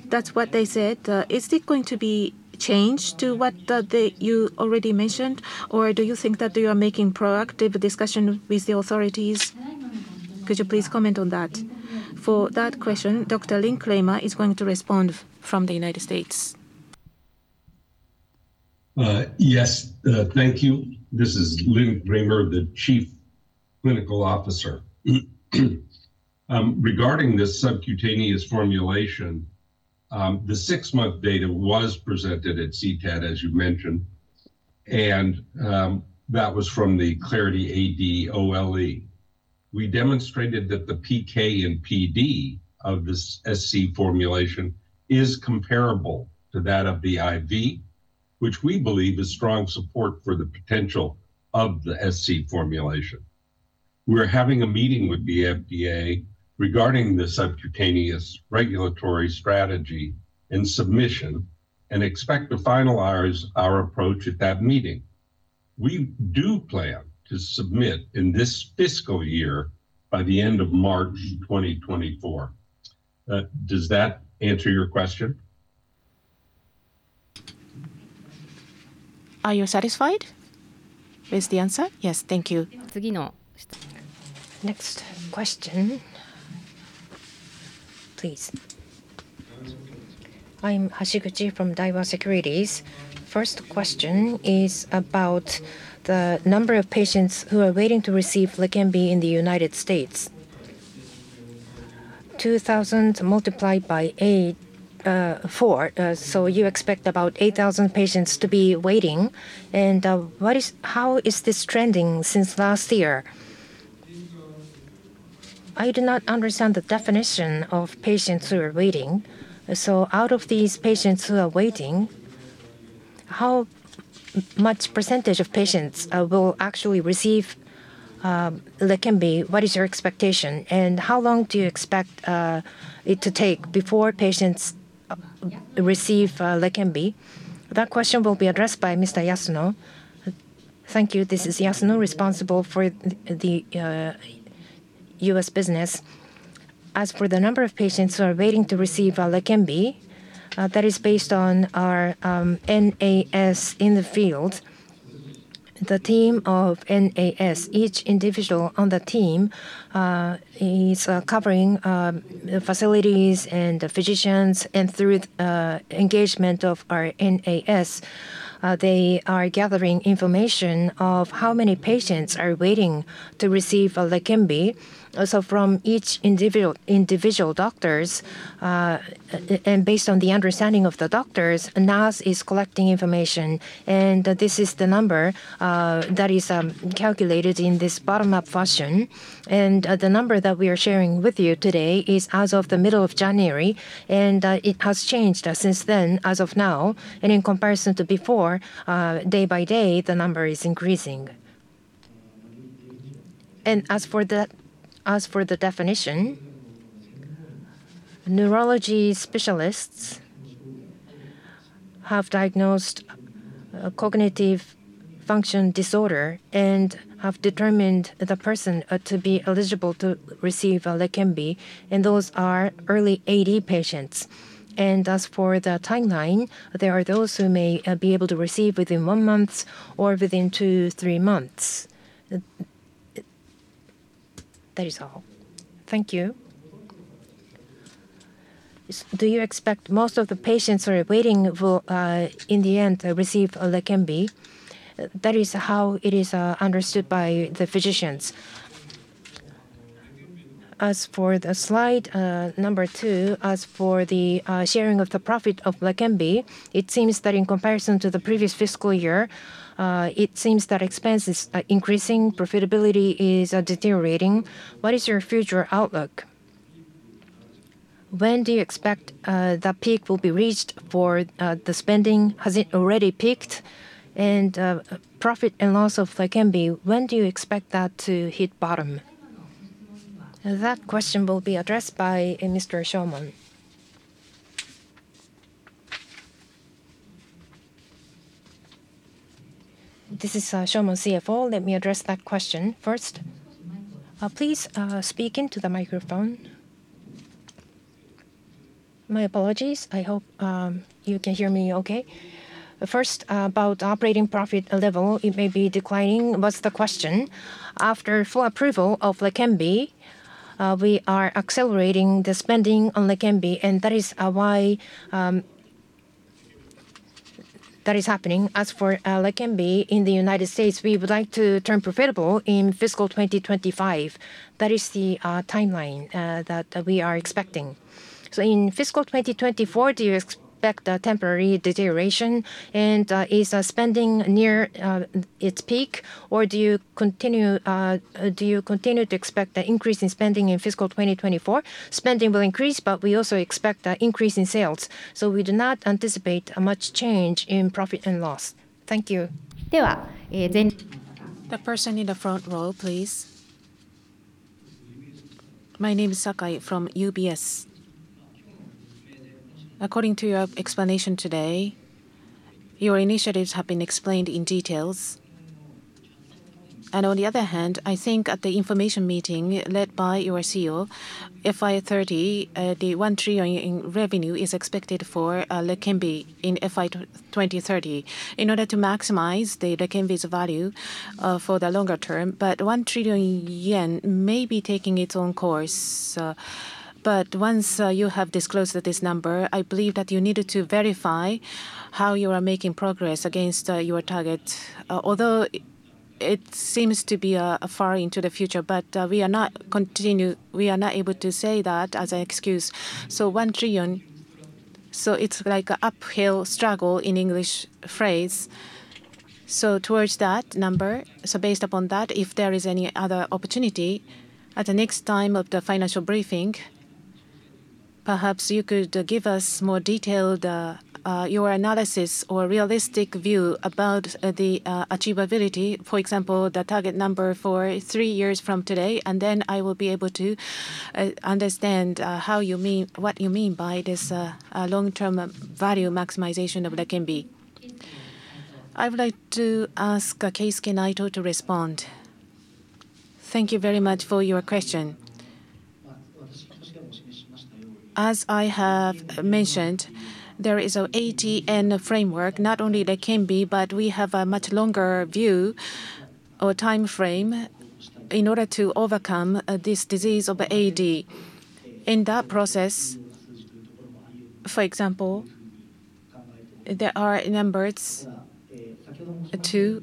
That's what they said. Is it going to be changed to what you already mentioned? Or do you think that you are making proactive discussion with the authorities? Could you please comment on that? For that question, Dr. Lynn Kramer is going to respond from the United States. Yes, thank you. This is Lynn Kramer, the Chief Clinical Officer. Regarding this subcutaneous formulation, the six-month data was presented at CTAD, as you mentioned, and that was from the Clarity AD-OLE. We demonstrated that the PK and PD of this SC formulation is comparable to that of the IV, which we believe is strong support for the potential of the SC formulation. We're having a meeting with the FDA regarding the subcutaneous regulatory strategy and submission, and expect to finalize our approach at that meeting. We do plan to submit in this fiscal year by the end of March 2024. Does that answer your question? Are you satisfied with the answer? Yes. Thank you. Next question, please. I'm Hashiguchi from Daiwa Securities. First question is about the number of patients who are waiting to receive Leqembi in the United States. 2,000 multiplied by 8.4. So you expect about 8,000 patients to be waiting. What is... How is this trending since last year? I do not understand the definition of patients who are waiting. So out of these patients who are waiting, how much percentage of patients will actually receive Leqembi? What is your expectation, and how long do you expect it to take before patients receive Leqembi? That question will be addressed by Mr. Yasuno. Thank you. This is Yasuno, responsible for the US business. As for the number of patients who are waiting to receive Leqembi, that is based on our NAS in the field. The team of NAS, each individual on the team, is covering the facilities and the physicians. And through the engagement of our NAS, they are gathering information of how many patients are waiting to receive Leqembi. Also from each individual doctors, and based on the understanding of the doctors, NAS is collecting information, and this is the number that is calculated in this bottom-up fashion. And the number that we are sharing with you today is as of the middle of January, and it has changed since then, as of now. In comparison to before, day by day, the number is increasing. As for the definition, neurology specialists have diagnosed cognitive function disorder and have determined the person to be eligible to receive Leqembi, and those are early AD patients. As for the timeline, there are those who may be able to receive within 1 month or within 2 or 3 months. That is all. Thank you. So, do you expect most of the patients who are waiting will, in the end, receive Leqembi? That is how it is understood by the physicians. As for the slide number 2, as for the sharing of the profit of Leqembi, it seems that in comparison to the previous fiscal year, it seems that expense is increasing, profitability is deteriorating. What is your future outlook? When do you expect the peak will be reached for the spending? Has it already peaked? Profit and loss of Leqembi, when do you expect that to hit bottom? That question will be addressed by Mr. Shomon. This is, Shomon, CFO. Let me address that question first. Please, speak into the microphone. My apologies. I hope you can hear me okay. First, about operating profit level, it may be declining, was the question. After full approval of Leqembi, we are accelerating the spending on Leqembi, and that is why- ... that is happening. As for Leqembi in the United States, we would like to turn profitable in fiscal 2025. That is the timeline that we are expecting. So in fiscal 2024, do you expect a temporary deterioration? And is spending near its peak, or do you continue to expect the increase in spending in fiscal 2024? Spending will increase, but we also expect an increase in sales, so we do not anticipate much change in profit and loss. Thank you. The person in the front row, please. My name is Sakai from UBS. According to your explanation today, your initiatives have been explained in details. On the other hand, I think at the information meeting led by your CEO, FY 2030, the 1 trillion in revenue is expected for Leqembi in FY 2030. In order to maximize the Leqembi's value for the longer term, but 1 trillion yen may be taking its own course. But once you have disclosed this number, I believe that you needed to verify how you are making progress against your target. Although it seems to be far into the future, but we are not able to say that as an excuse. So 1 trillion, so it's like an uphill struggle, in English phrase. So towards that number, so based upon that, if there is any other opportunity at the next time of the financial briefing, perhaps you could give us more detailed your analysis or realistic view about the achievability. For example, the target number for three years from today, and then I will be able to understand how you mean, what you mean by this long-term value maximization of Leqembi. I would like to ask, Keisuke Naito to respond. Thank you very much for your question. As I have mentioned, there is a ATN framework, not only Leqembi, but we have a much longer view or timeframe in order to overcome, this disease of AD. In that process, for example, there are numbers to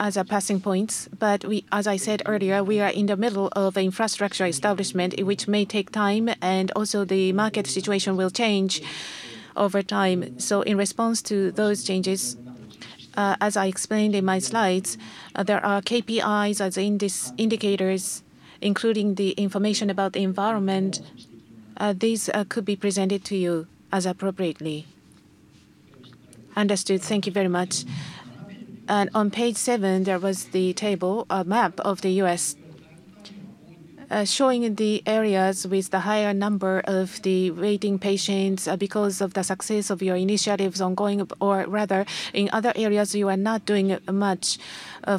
as a passing points, but we, as I said earlier, we are in the middle of infrastructure establishment, which may take time, and also the market situation will change over time. So in response to those changes, as I explained in my slides, there are KPIs as indicators, including the information about the environment. These could be presented to you as appropriately. Understood. Thank you very much. On page seven, there was the table, a map of the U.S., showing the areas with the higher number of the waiting patients, because of the success of your initiatives ongoing, or rather, in other areas, you are not doing much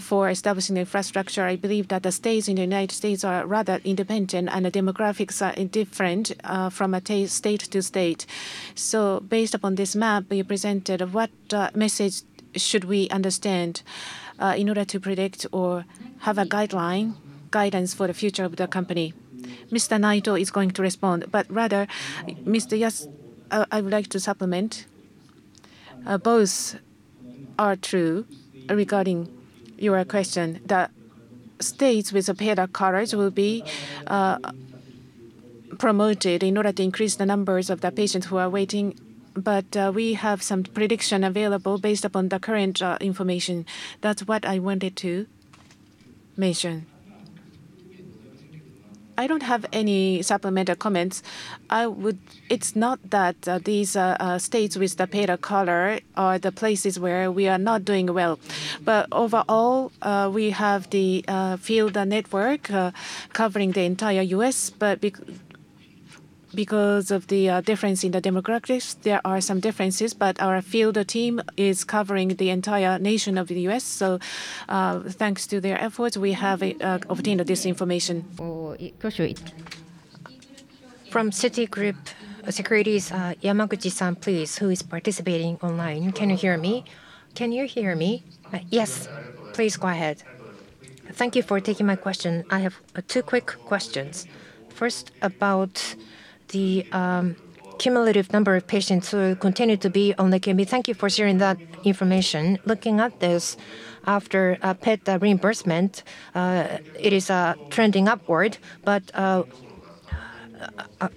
for establishing infrastructure. I believe that the states in the United States are rather independent, and the demographics are different from a state to state. So based upon this map you presented, what message should we understand in order to predict or have a guideline, guidance for the future of the company? Mr. Naito is going to respond, but rather, Mr. Yasuno I would like to supplement. Both are true regarding your question. The states with the pale colors will be promoted in order to increase the numbers of the patients who are waiting. But we have some prediction available based upon the current information. That's what I wanted to mention. I don't have any supplemental comments. It's not that these states with the pale color are the places where we are not doing well. But overall, we have the field network covering the entire U.S., but because of the difference in the demographics, there are some differences. But our field team is covering the entire nation of the U.S., so thanks to their efforts, we have obtained this information. From Citigroup Securities, Yamaguchi-san, please, who is participating online. Can you hear me? Can you hear me? Yes, please go ahead. Thank you for taking my question. I have two quick questions. First, about the cumulative number of patients who continue to be on Leqembi. Thank you for sharing that information. Looking at this, after paid reimbursement, it is trending upward, but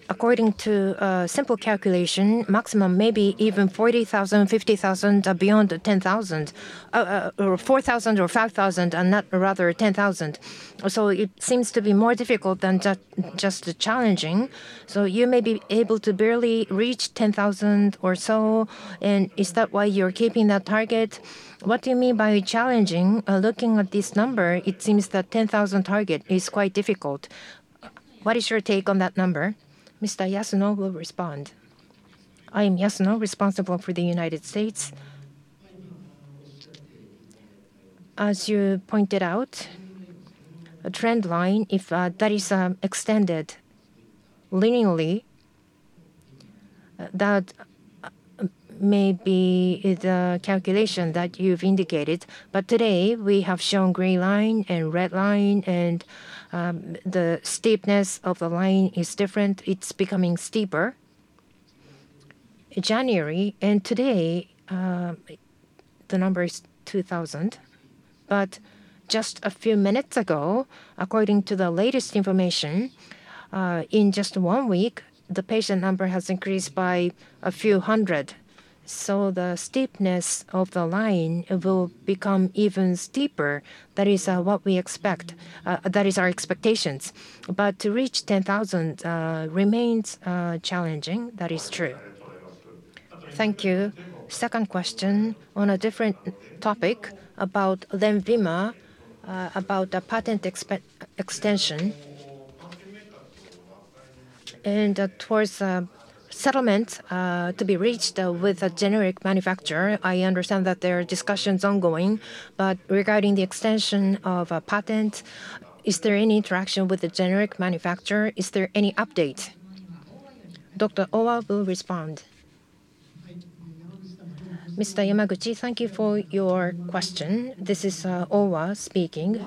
according to simple calculation, maximum may be even 40,000, 50,000, beyond the 10,000. Or 4,000 or 5,000, and not rather 10,000. So it seems to be more difficult than just challenging. So you may be able to barely reach 10,000 or so, and is that why you're keeping that target? What do you mean by challenging? Looking at this number, it seems the 10,000 target is quite difficult. What is your take on that number? Mr. Yasuno will respond. I am Yasuno, responsible for the United States. As you pointed out, a trend line, if that is extended linearly, that may be the calculation that you've indicated. But today we have shown green line and red line, and the steepness of the line is different. It's becoming steeper. January, and today the number is 2,000. But just a few minutes ago, according to the latest information, in just one week, the patient number has increased by a few hundred. So the steepness of the line will become even steeper. That is what we expect. That is our expectations. But to reach 10,000 remains challenging. That is true. Thank you. Second question, on a different topic about Lenvima, about the patent extension. Towards settlement to be reached with a generic manufacturer. I understand that there are discussions ongoing, but regarding the extension of a patent, is there any interaction with the generic manufacturer? Is there any update? Dr. Owa will respond. Mr. Yamaguchi, thank you for your question. This is Owa speaking.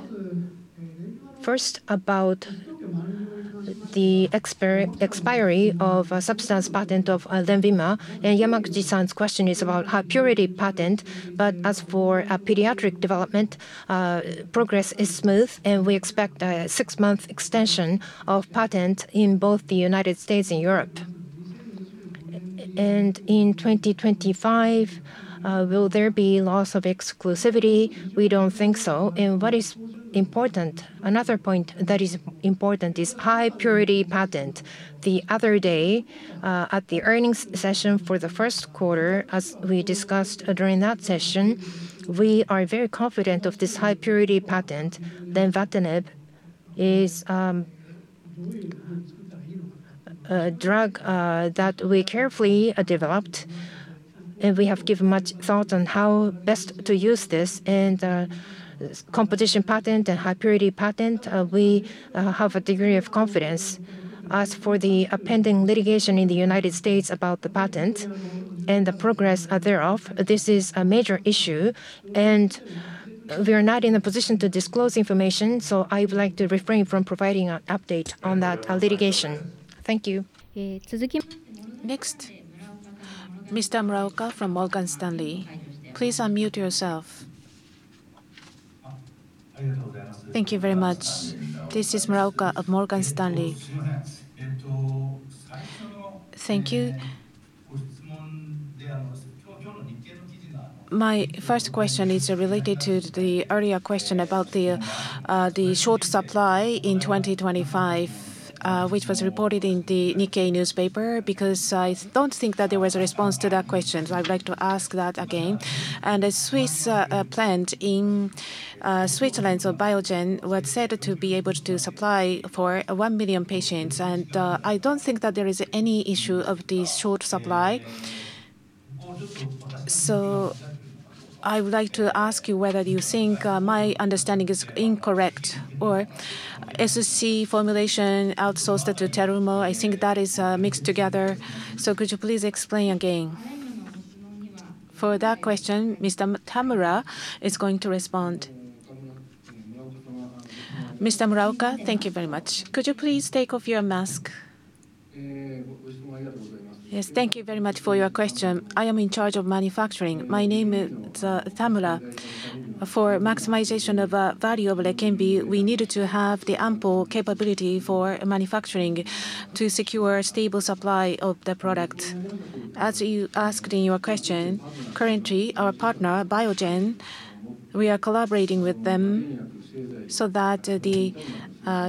First, about the expiry of a substance patent of Lenvima, and Yamaguchi-san's question is about high purity patent. But as for a pediatric development, progress is smooth, and we expect a six-month extension of patent in both the United States and Europe. And in 2025, will there be loss of exclusivity? We don't think so. And what is important, another point that is important is high purity patent. The other day, at the earnings session for the first quarter, as we discussed during that session, we are very confident of this high purity patent. Lenvatinib is a drug that we carefully developed, and we have given much thought on how best to use this. And competition patent and high purity patent, we have a degree of confidence. As for the pending litigation in the United States about the patent and the progress thereof, this is a major issue, and we are not in a position to disclose information, so I would like to refrain from providing an update on that litigation. Thank you. Next, Mr. Muraoka from Morgan Stanley. Please unmute yourself. Thank you very much. This is Muraoka of Morgan Stanley. Thank you. My first question is related to the earlier question about the short supply in 2025, which was reported in the Nikkei newspaper, because I don't think that there was a response to that question. So I would like to ask that again. And a Swiss plant in Switzerland, so Biogen, was said to be able to supply for 1 million patients, and I don't think that there is any issue of the short supply. So I would like to ask you whether you think my understanding is incorrect, or SOC formulation outsourced to Terumo, I think that is mixed together. So could you please explain again? For that question, Mr. Tamura is going to respond. Mr. Muraoka, thank you very much. Could you please take off your mask? Yes, thank you very much for your question. I am in charge of manufacturing. My name is, Tamura. For maximization of value of Leqembi, we needed to have the ample capability for manufacturing to secure stable supply of the product. As you asked in your question, currently, our partner, Biogen, we are collaborating with them so that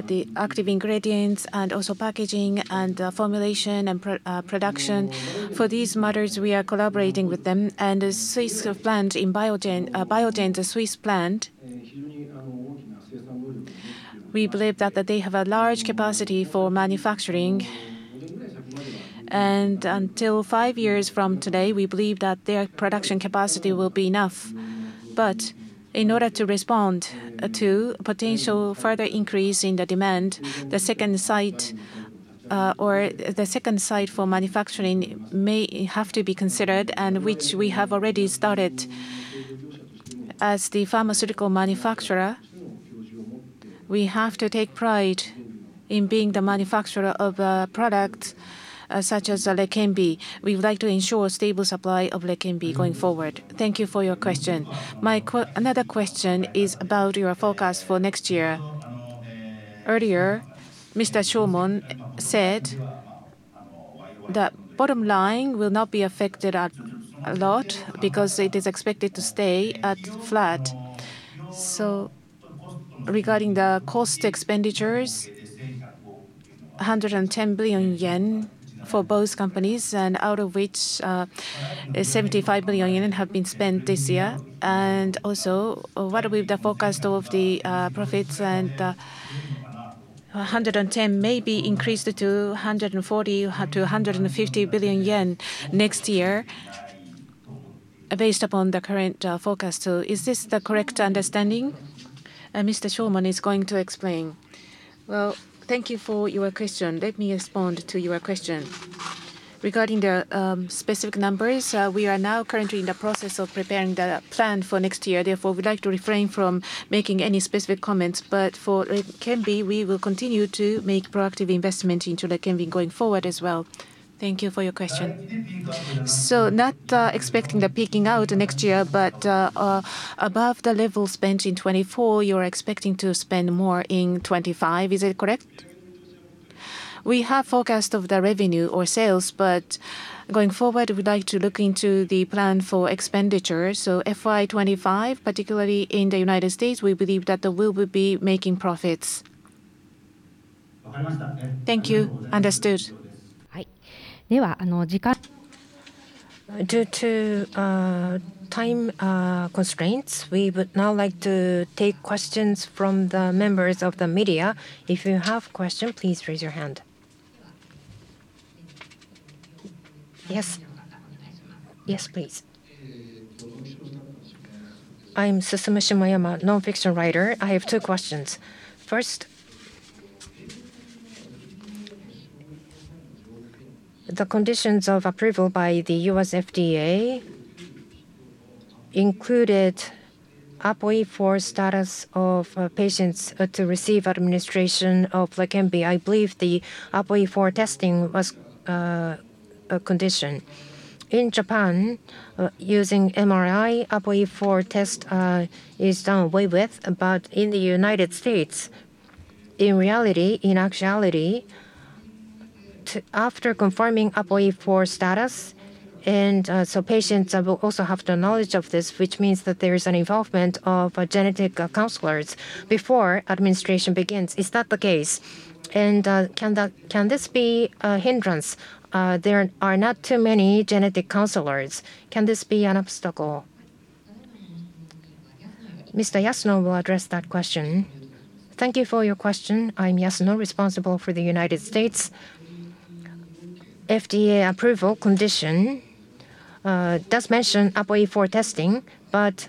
the active ingredients and also packaging and formulation and production, for these matters, we are collaborating with them. And the Swiss plant in Biogen, Biogen, the Swiss plant, we believe that they have a large capacity for manufacturing. And until five years from today, we believe that their production capacity will be enough. But in order to respond to potential further increase in the demand, the second site or the second site for manufacturing may have to be considered, and which we have already started. As the pharmaceutical manufacturer, we have to take pride in being the manufacturer of products such as Leqembi. We would like to ensure stable supply of Leqembi going forward. Thank you for your question. Another question is about your forecast for next year. Earlier, Mr. Shomon said that bottom line will not be affected a lot, because it is expected to stay at flat. So regarding the cost expenditures, 110 billion yen for both companies, and out of which, 75 billion yen have been spent this year. And also, what will be the forecast of the profits and 110 may be increased to 140 billion-150 billion yen next year, based upon the current forecast. So is this the correct understanding? Mr. Shomon is going to explain. Well, thank you for your question. Let me respond to your question. Regarding the specific numbers, we are now currently in the process of preparing the plan for next year. Therefore, we'd like to refrain from making any specific comments, but for Leqembi, we will continue to make proactive investment into Leqembi going forward as well. Thank you for your question. So not expecting the peaking out next year, but above the level spent in 2024, you're expecting to spend more in 2025. Is it correct? We have forecast of the revenue or sales, but going forward, we'd like to look into the plan for expenditure. So FY 2025, particularly in the United States, we believe that we will be making profits. Thank you. Understood. Due to time constraints, we would now like to take questions from the members of the media. If you have question, please raise your hand. Yes. Yes, please. I'm Susumu Shimoyama, nonfiction writer. I have two questions. First, the conditions of approval by the U.S. FDA included APOE4 status of patients to receive administration of Leqembi. I believe the APOE4 testing was a condition. In Japan, using MRI, APOE4 test is done away with. But in the United States, in reality, in actuality, after confirming APOE4 status, and so patients will also have the knowledge of this, which means that there is an involvement of genetic counselors before administration begins. Is that the case? And can the, can this be a hindrance? There are not too many genetic counselors. Can this be an obstacle? Mr. Yasuno will address that question. Thank you for your question. I'm Yasuno, responsible for the United States. FDA approval condition does mention APOE4 testing, but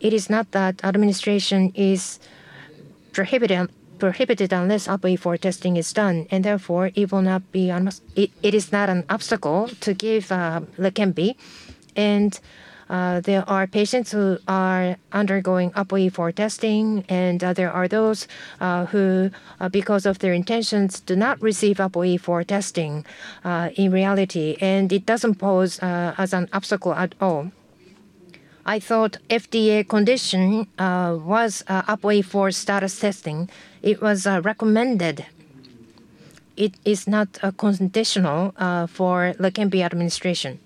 it is not that administration is prohibited unless APOE4 testing is done, and therefore it will not be an obstacle. It is not an obstacle to give Leqembi. And there are patients who are undergoing APOE4 testing, and there are those who, because of their intentions, do not receive APOE4 testing in reality, and it doesn't pose as an obstacle at all. I thought FDA condition was APOE4 status testing. It was recommended. It is not conditional for Leqembi administration.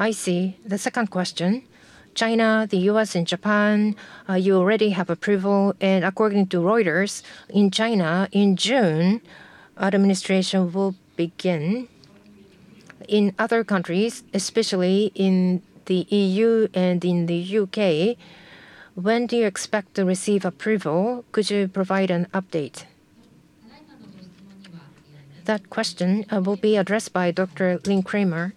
I see. The second question, China, the U.S., and Japan, you already have approval, and according to Reuters, in China, in June, administration will begin. In other countries, especially in the E.U. and in the U.K., when do you expect to receive approval? Could you provide an update? That question will be addressed by Dr. Lynn Kramer.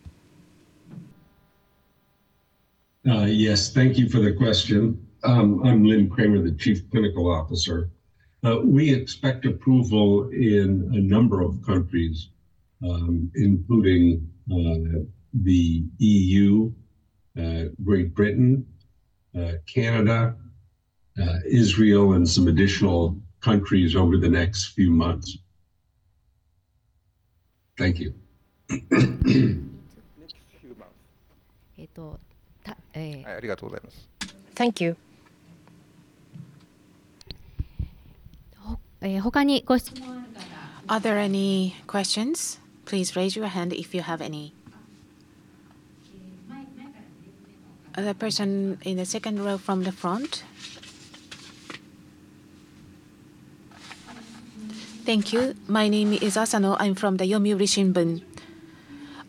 Yes, thank you for the question. I'm Lynn Kramer, the Chief Clinical Officer. We expect approval in a number of countries, including the EU, Great Britain, Canada, Israel, and some additional countries over the next few months. Thank you. Thank you. Are there any questions? Please raise your hand if you have any. The person in the second row from the front. Thank you. My name is Asano. I'm from The Yomiuri Shimbun.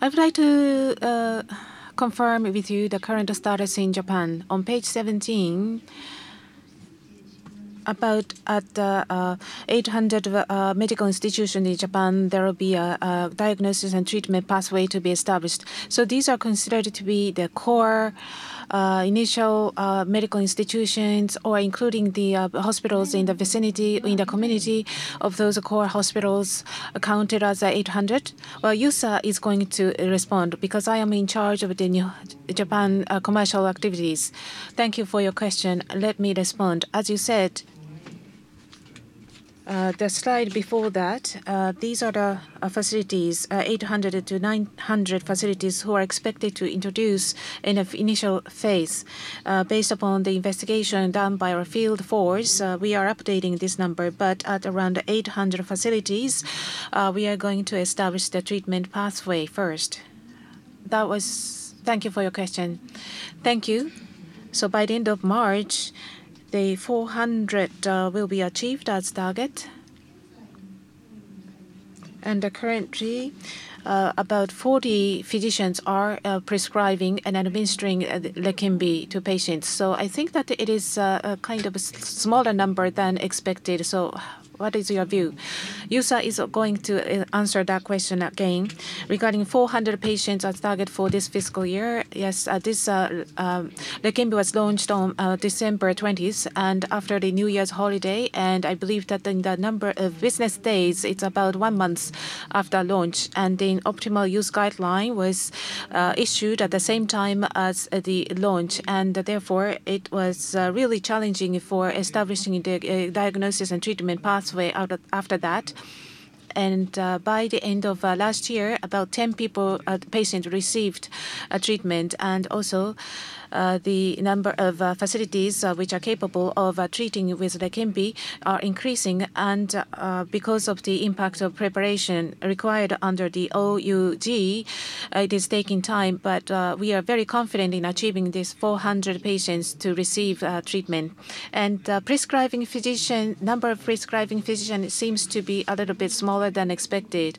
I would like to confirm with you the current status in Japan. On page 17, about 800 medical institutions in Japan, there will be a diagnosis and treatment pathway to be established. So these are considered to be the core initial medical institutions or including the hospitals in the vicinity, in the community of those core hospitals accounted as 800? Well, Yusa is going to respond, because I am in charge of the new Japan commercial activities. Thank you for your question. Let me respond. As you said, the slide before that, these are the facilities, 800-900 facilities who are expected to introduce in a initial phase. Based upon the investigation done by our field force, we are updating this number, but at around 800 facilities, we are going to establish the treatment pathway first. That was... Thank you for your question. Thank you. So by the end of March, the 400 will be achieved as target? And currently, about 40 physicians are prescribing and administering Leqembi to patients. So I think that it is a kind of a smaller number than expected. So what is your view? Yusa is going to answer that question again. Regarding 400 patients as target for this fiscal year, yes, this Leqembi was launched on December twentieth, and after the New Year's holiday, and I believe that in the number of business days, it's about one month after launch. And the optimal use guideline was issued at the same time as the launch, and therefore it was really challenging for establishing the diagnosis and treatment pathway after that.... and by the end of last year, about 10 patients received a treatment. And also, the number of facilities which are capable of treating with Leqembi are increasing. And because of the impact of preparation required under the OUG, it is taking time, but we are very confident in achieving these 400 patients to receive treatment. And prescribing physician, number of prescribing physician seems to be a little bit smaller than expected.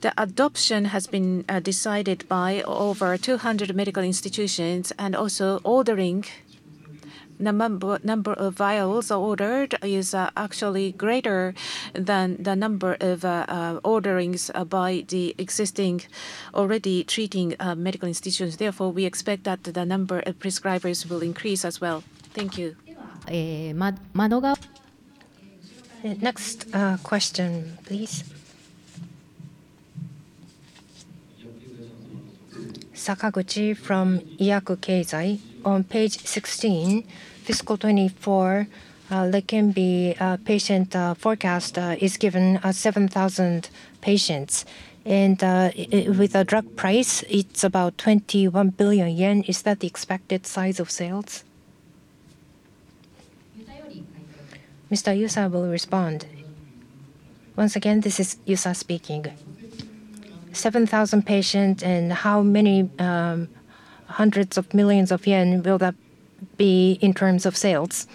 The adoption has been decided by over 200 medical institutions, and also ordering, the number of vials ordered is actually greater than the number of orderings by the existing already treating medical institutions. Therefore, we expect that the number of prescribers will increase as well. Thank you. Madoka? Next question, please. Sakaguchi from Yakuji Nippo. On page 16, fiscal 2024, Leqembi patient forecast is given as 7,000 patients. With the drug price, it's about 21 billion yen. Is that the expected size of sales? Mr. Yusa will respond. Once again, this is Yusa speaking. 7,000 patient and how many hundreds of millions of JPY will that be in terms of sales?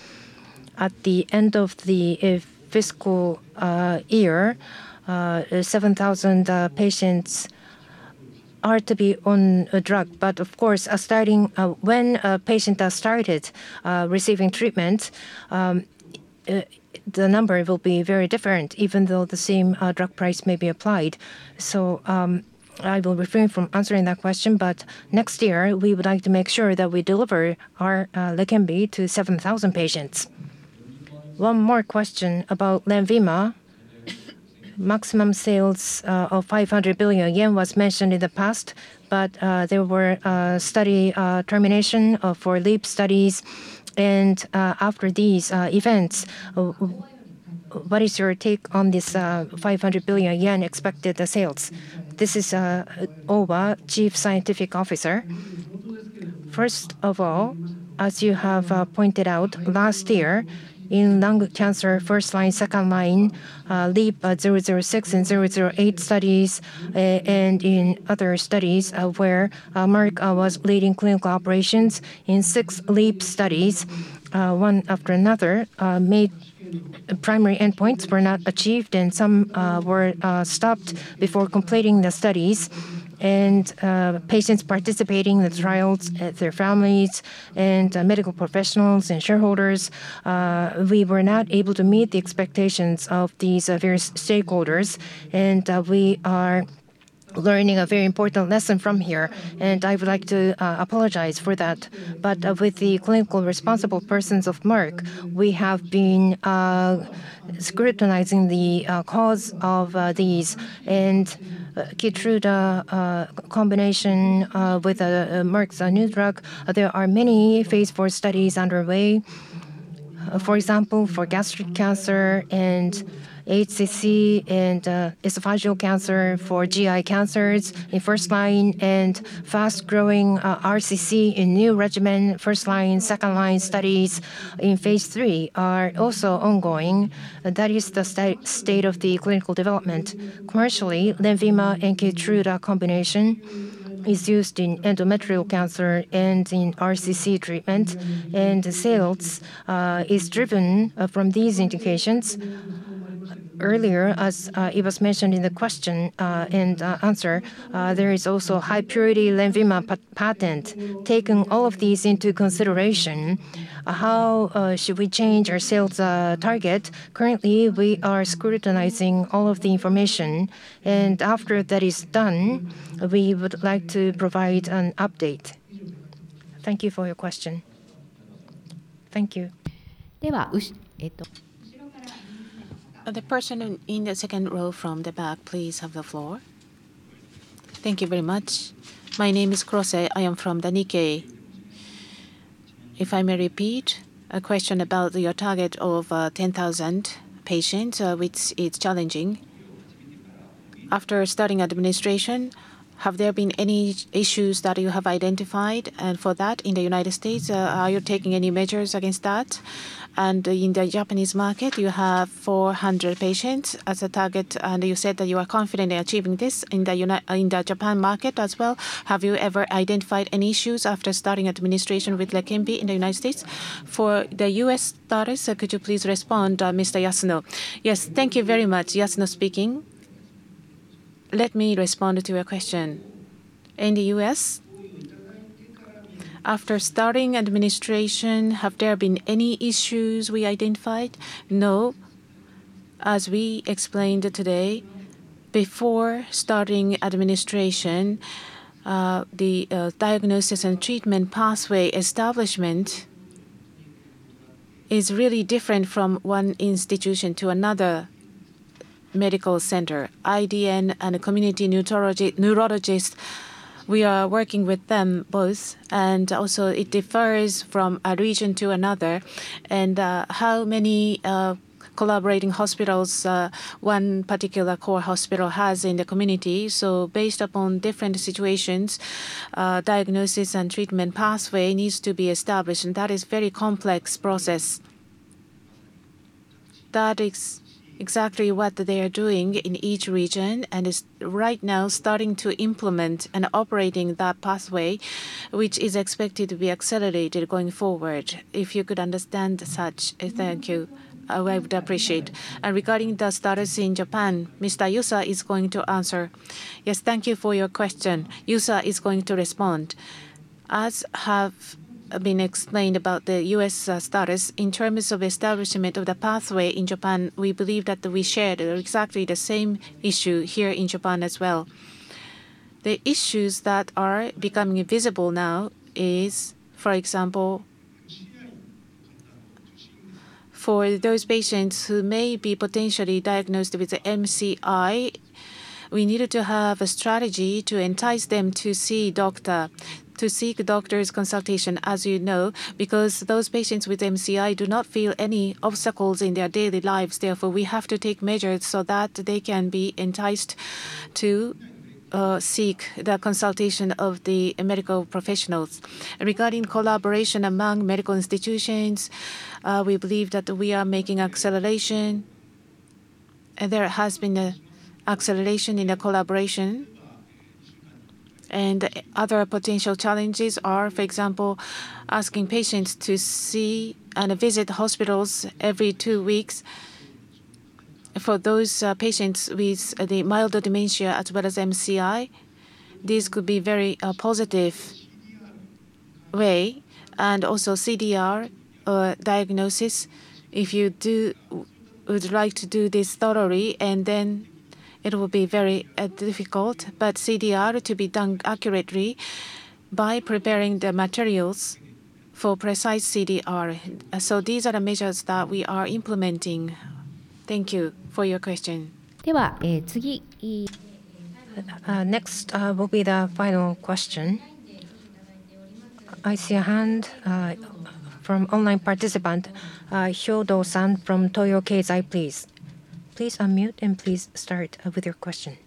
At the end of the fiscal year, 7,000 patients are to be on a drug. But of course, starting... When a patient has started receiving treatment, the number will be very different, even though the same drug price may be applied. So, I will refrain from answering that question, but next year we would like to make sure that we deliver our Leqembi to 7,000 patients. One more question about Lenvima. Maximum sales of 500 billion yen was mentioned in the past, but there were study termination for LEAP studies. After these events, what is your take on this 500 billion yen expected sales? This is Owa, Chief Scientific Officer. First of all, as you have pointed out, last year in lung cancer, first line, second line, LEAP-006 and -008 studies, and in other studies, where Merck was leading clinical operations, in six LEAP studies, one after another, main primary endpoints were not achieved, and some were stopped before completing the studies. Patients participating in the trials, their families, and medical professionals and shareholders, we were not able to meet the expectations of these various stakeholders. We are learning a very important lesson from here, and I would like to apologize for that. But with the clinical responsible persons of Merck, we have been scrutinizing the cause of these. And Keytruda combination with Merck's new drug, there are many phase 4 studies underway. For example, for gastric cancer and HCC and esophageal cancer, for GI cancers in first line, and fast-growing RCC in new regimen, first line, second line studies in phase 3 are also ongoing. That is the state of the clinical development. Commercially, Lenvima and Keytruda combination is used in endometrial cancer and in RCC treatment, and the sales is driven from these indications. Earlier, as it was mentioned in the question and answer, there is also high-purity Lenvima patent. Taking all of these into consideration, how should we change our sales target? Currently, we are scrutinizing all of the information, and after that is done, we would like to provide an update. Thank you for your question. Thank you. The person in the second row from the back, please have the floor. Thank you very much. My name is Kurose. I am from the Nikkei. If I may repeat a question about your target of 10,000 patients, which is challenging. After starting administration, have there been any issues that you have identified? And for that, in the United States, are you taking any measures against that? And in the Japanese market, you have 400 patients as a target, and you said that you are confident in achieving this. In the Japan market as well, have you ever identified any issues after starting administration with Leqembi in the United States? For the U.S. starters, could you please respond, Mr. Yasuno? Yes. Thank you very much. Yasuno speaking. Let me respond to your question. In the U.S., after starting administration, have there been any issues we identified? No. As we explained today, before starting administration, the diagnosis and treatment pathway establishment is really different from one institution to another medical center. IDN and community neurologists-... We are working with them both, and also it differs from a region to another, and, how many, collaborating hospitals, one particular core hospital has in the community. So based upon different situations, diagnosis and treatment pathway needs to be established, and that is very complex process. That is exactly what they are doing in each region, and is right now starting to implement and operating that pathway, which is expected to be accelerated going forward. If you could understand such, thank you. I would appreciate. And regarding the status in Japan, Mr. Yusa is going to answer. Yes, thank you for your question. Yusa is going to respond. As have been explained about the US status, in terms of establishment of the pathway in Japan, we believe that we shared exactly the same issue here in Japan as well. The issues that are becoming visible now is, for example, for those patients who may be potentially diagnosed with MCI, we needed to have a strategy to entice them to see doctor, to seek doctor's consultation, as you know, because those patients with MCI do not feel any obstacles in their daily lives. Therefore, we have to take measures so that they can be enticed to seek the consultation of the medical professionals. Regarding collaboration among medical institutions, we believe that we are making acceleration, and there has been a acceleration in the collaboration. And other potential challenges are, for example, asking patients to see and visit hospitals every two weeks. For those patients with the mild dementia as well as MCI, this could be very positive way. And also CDR diagnosis, if you would like to do this thoroughly, and then it will be very difficult, but CDR to be done accurately by preparing the materials for precise CDR. So these are the measures that we are implementing. Thank you for your question. Next will be the final question. I see a hand from online participant, Hyodo-san from Toyo Keizai, please. Please unmute and please start with your question.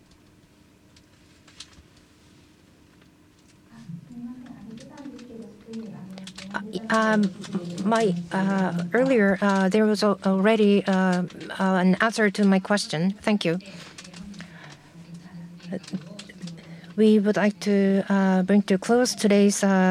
Earlier, there was already an answer to my question. Thank you. We would like to bring to a close today's.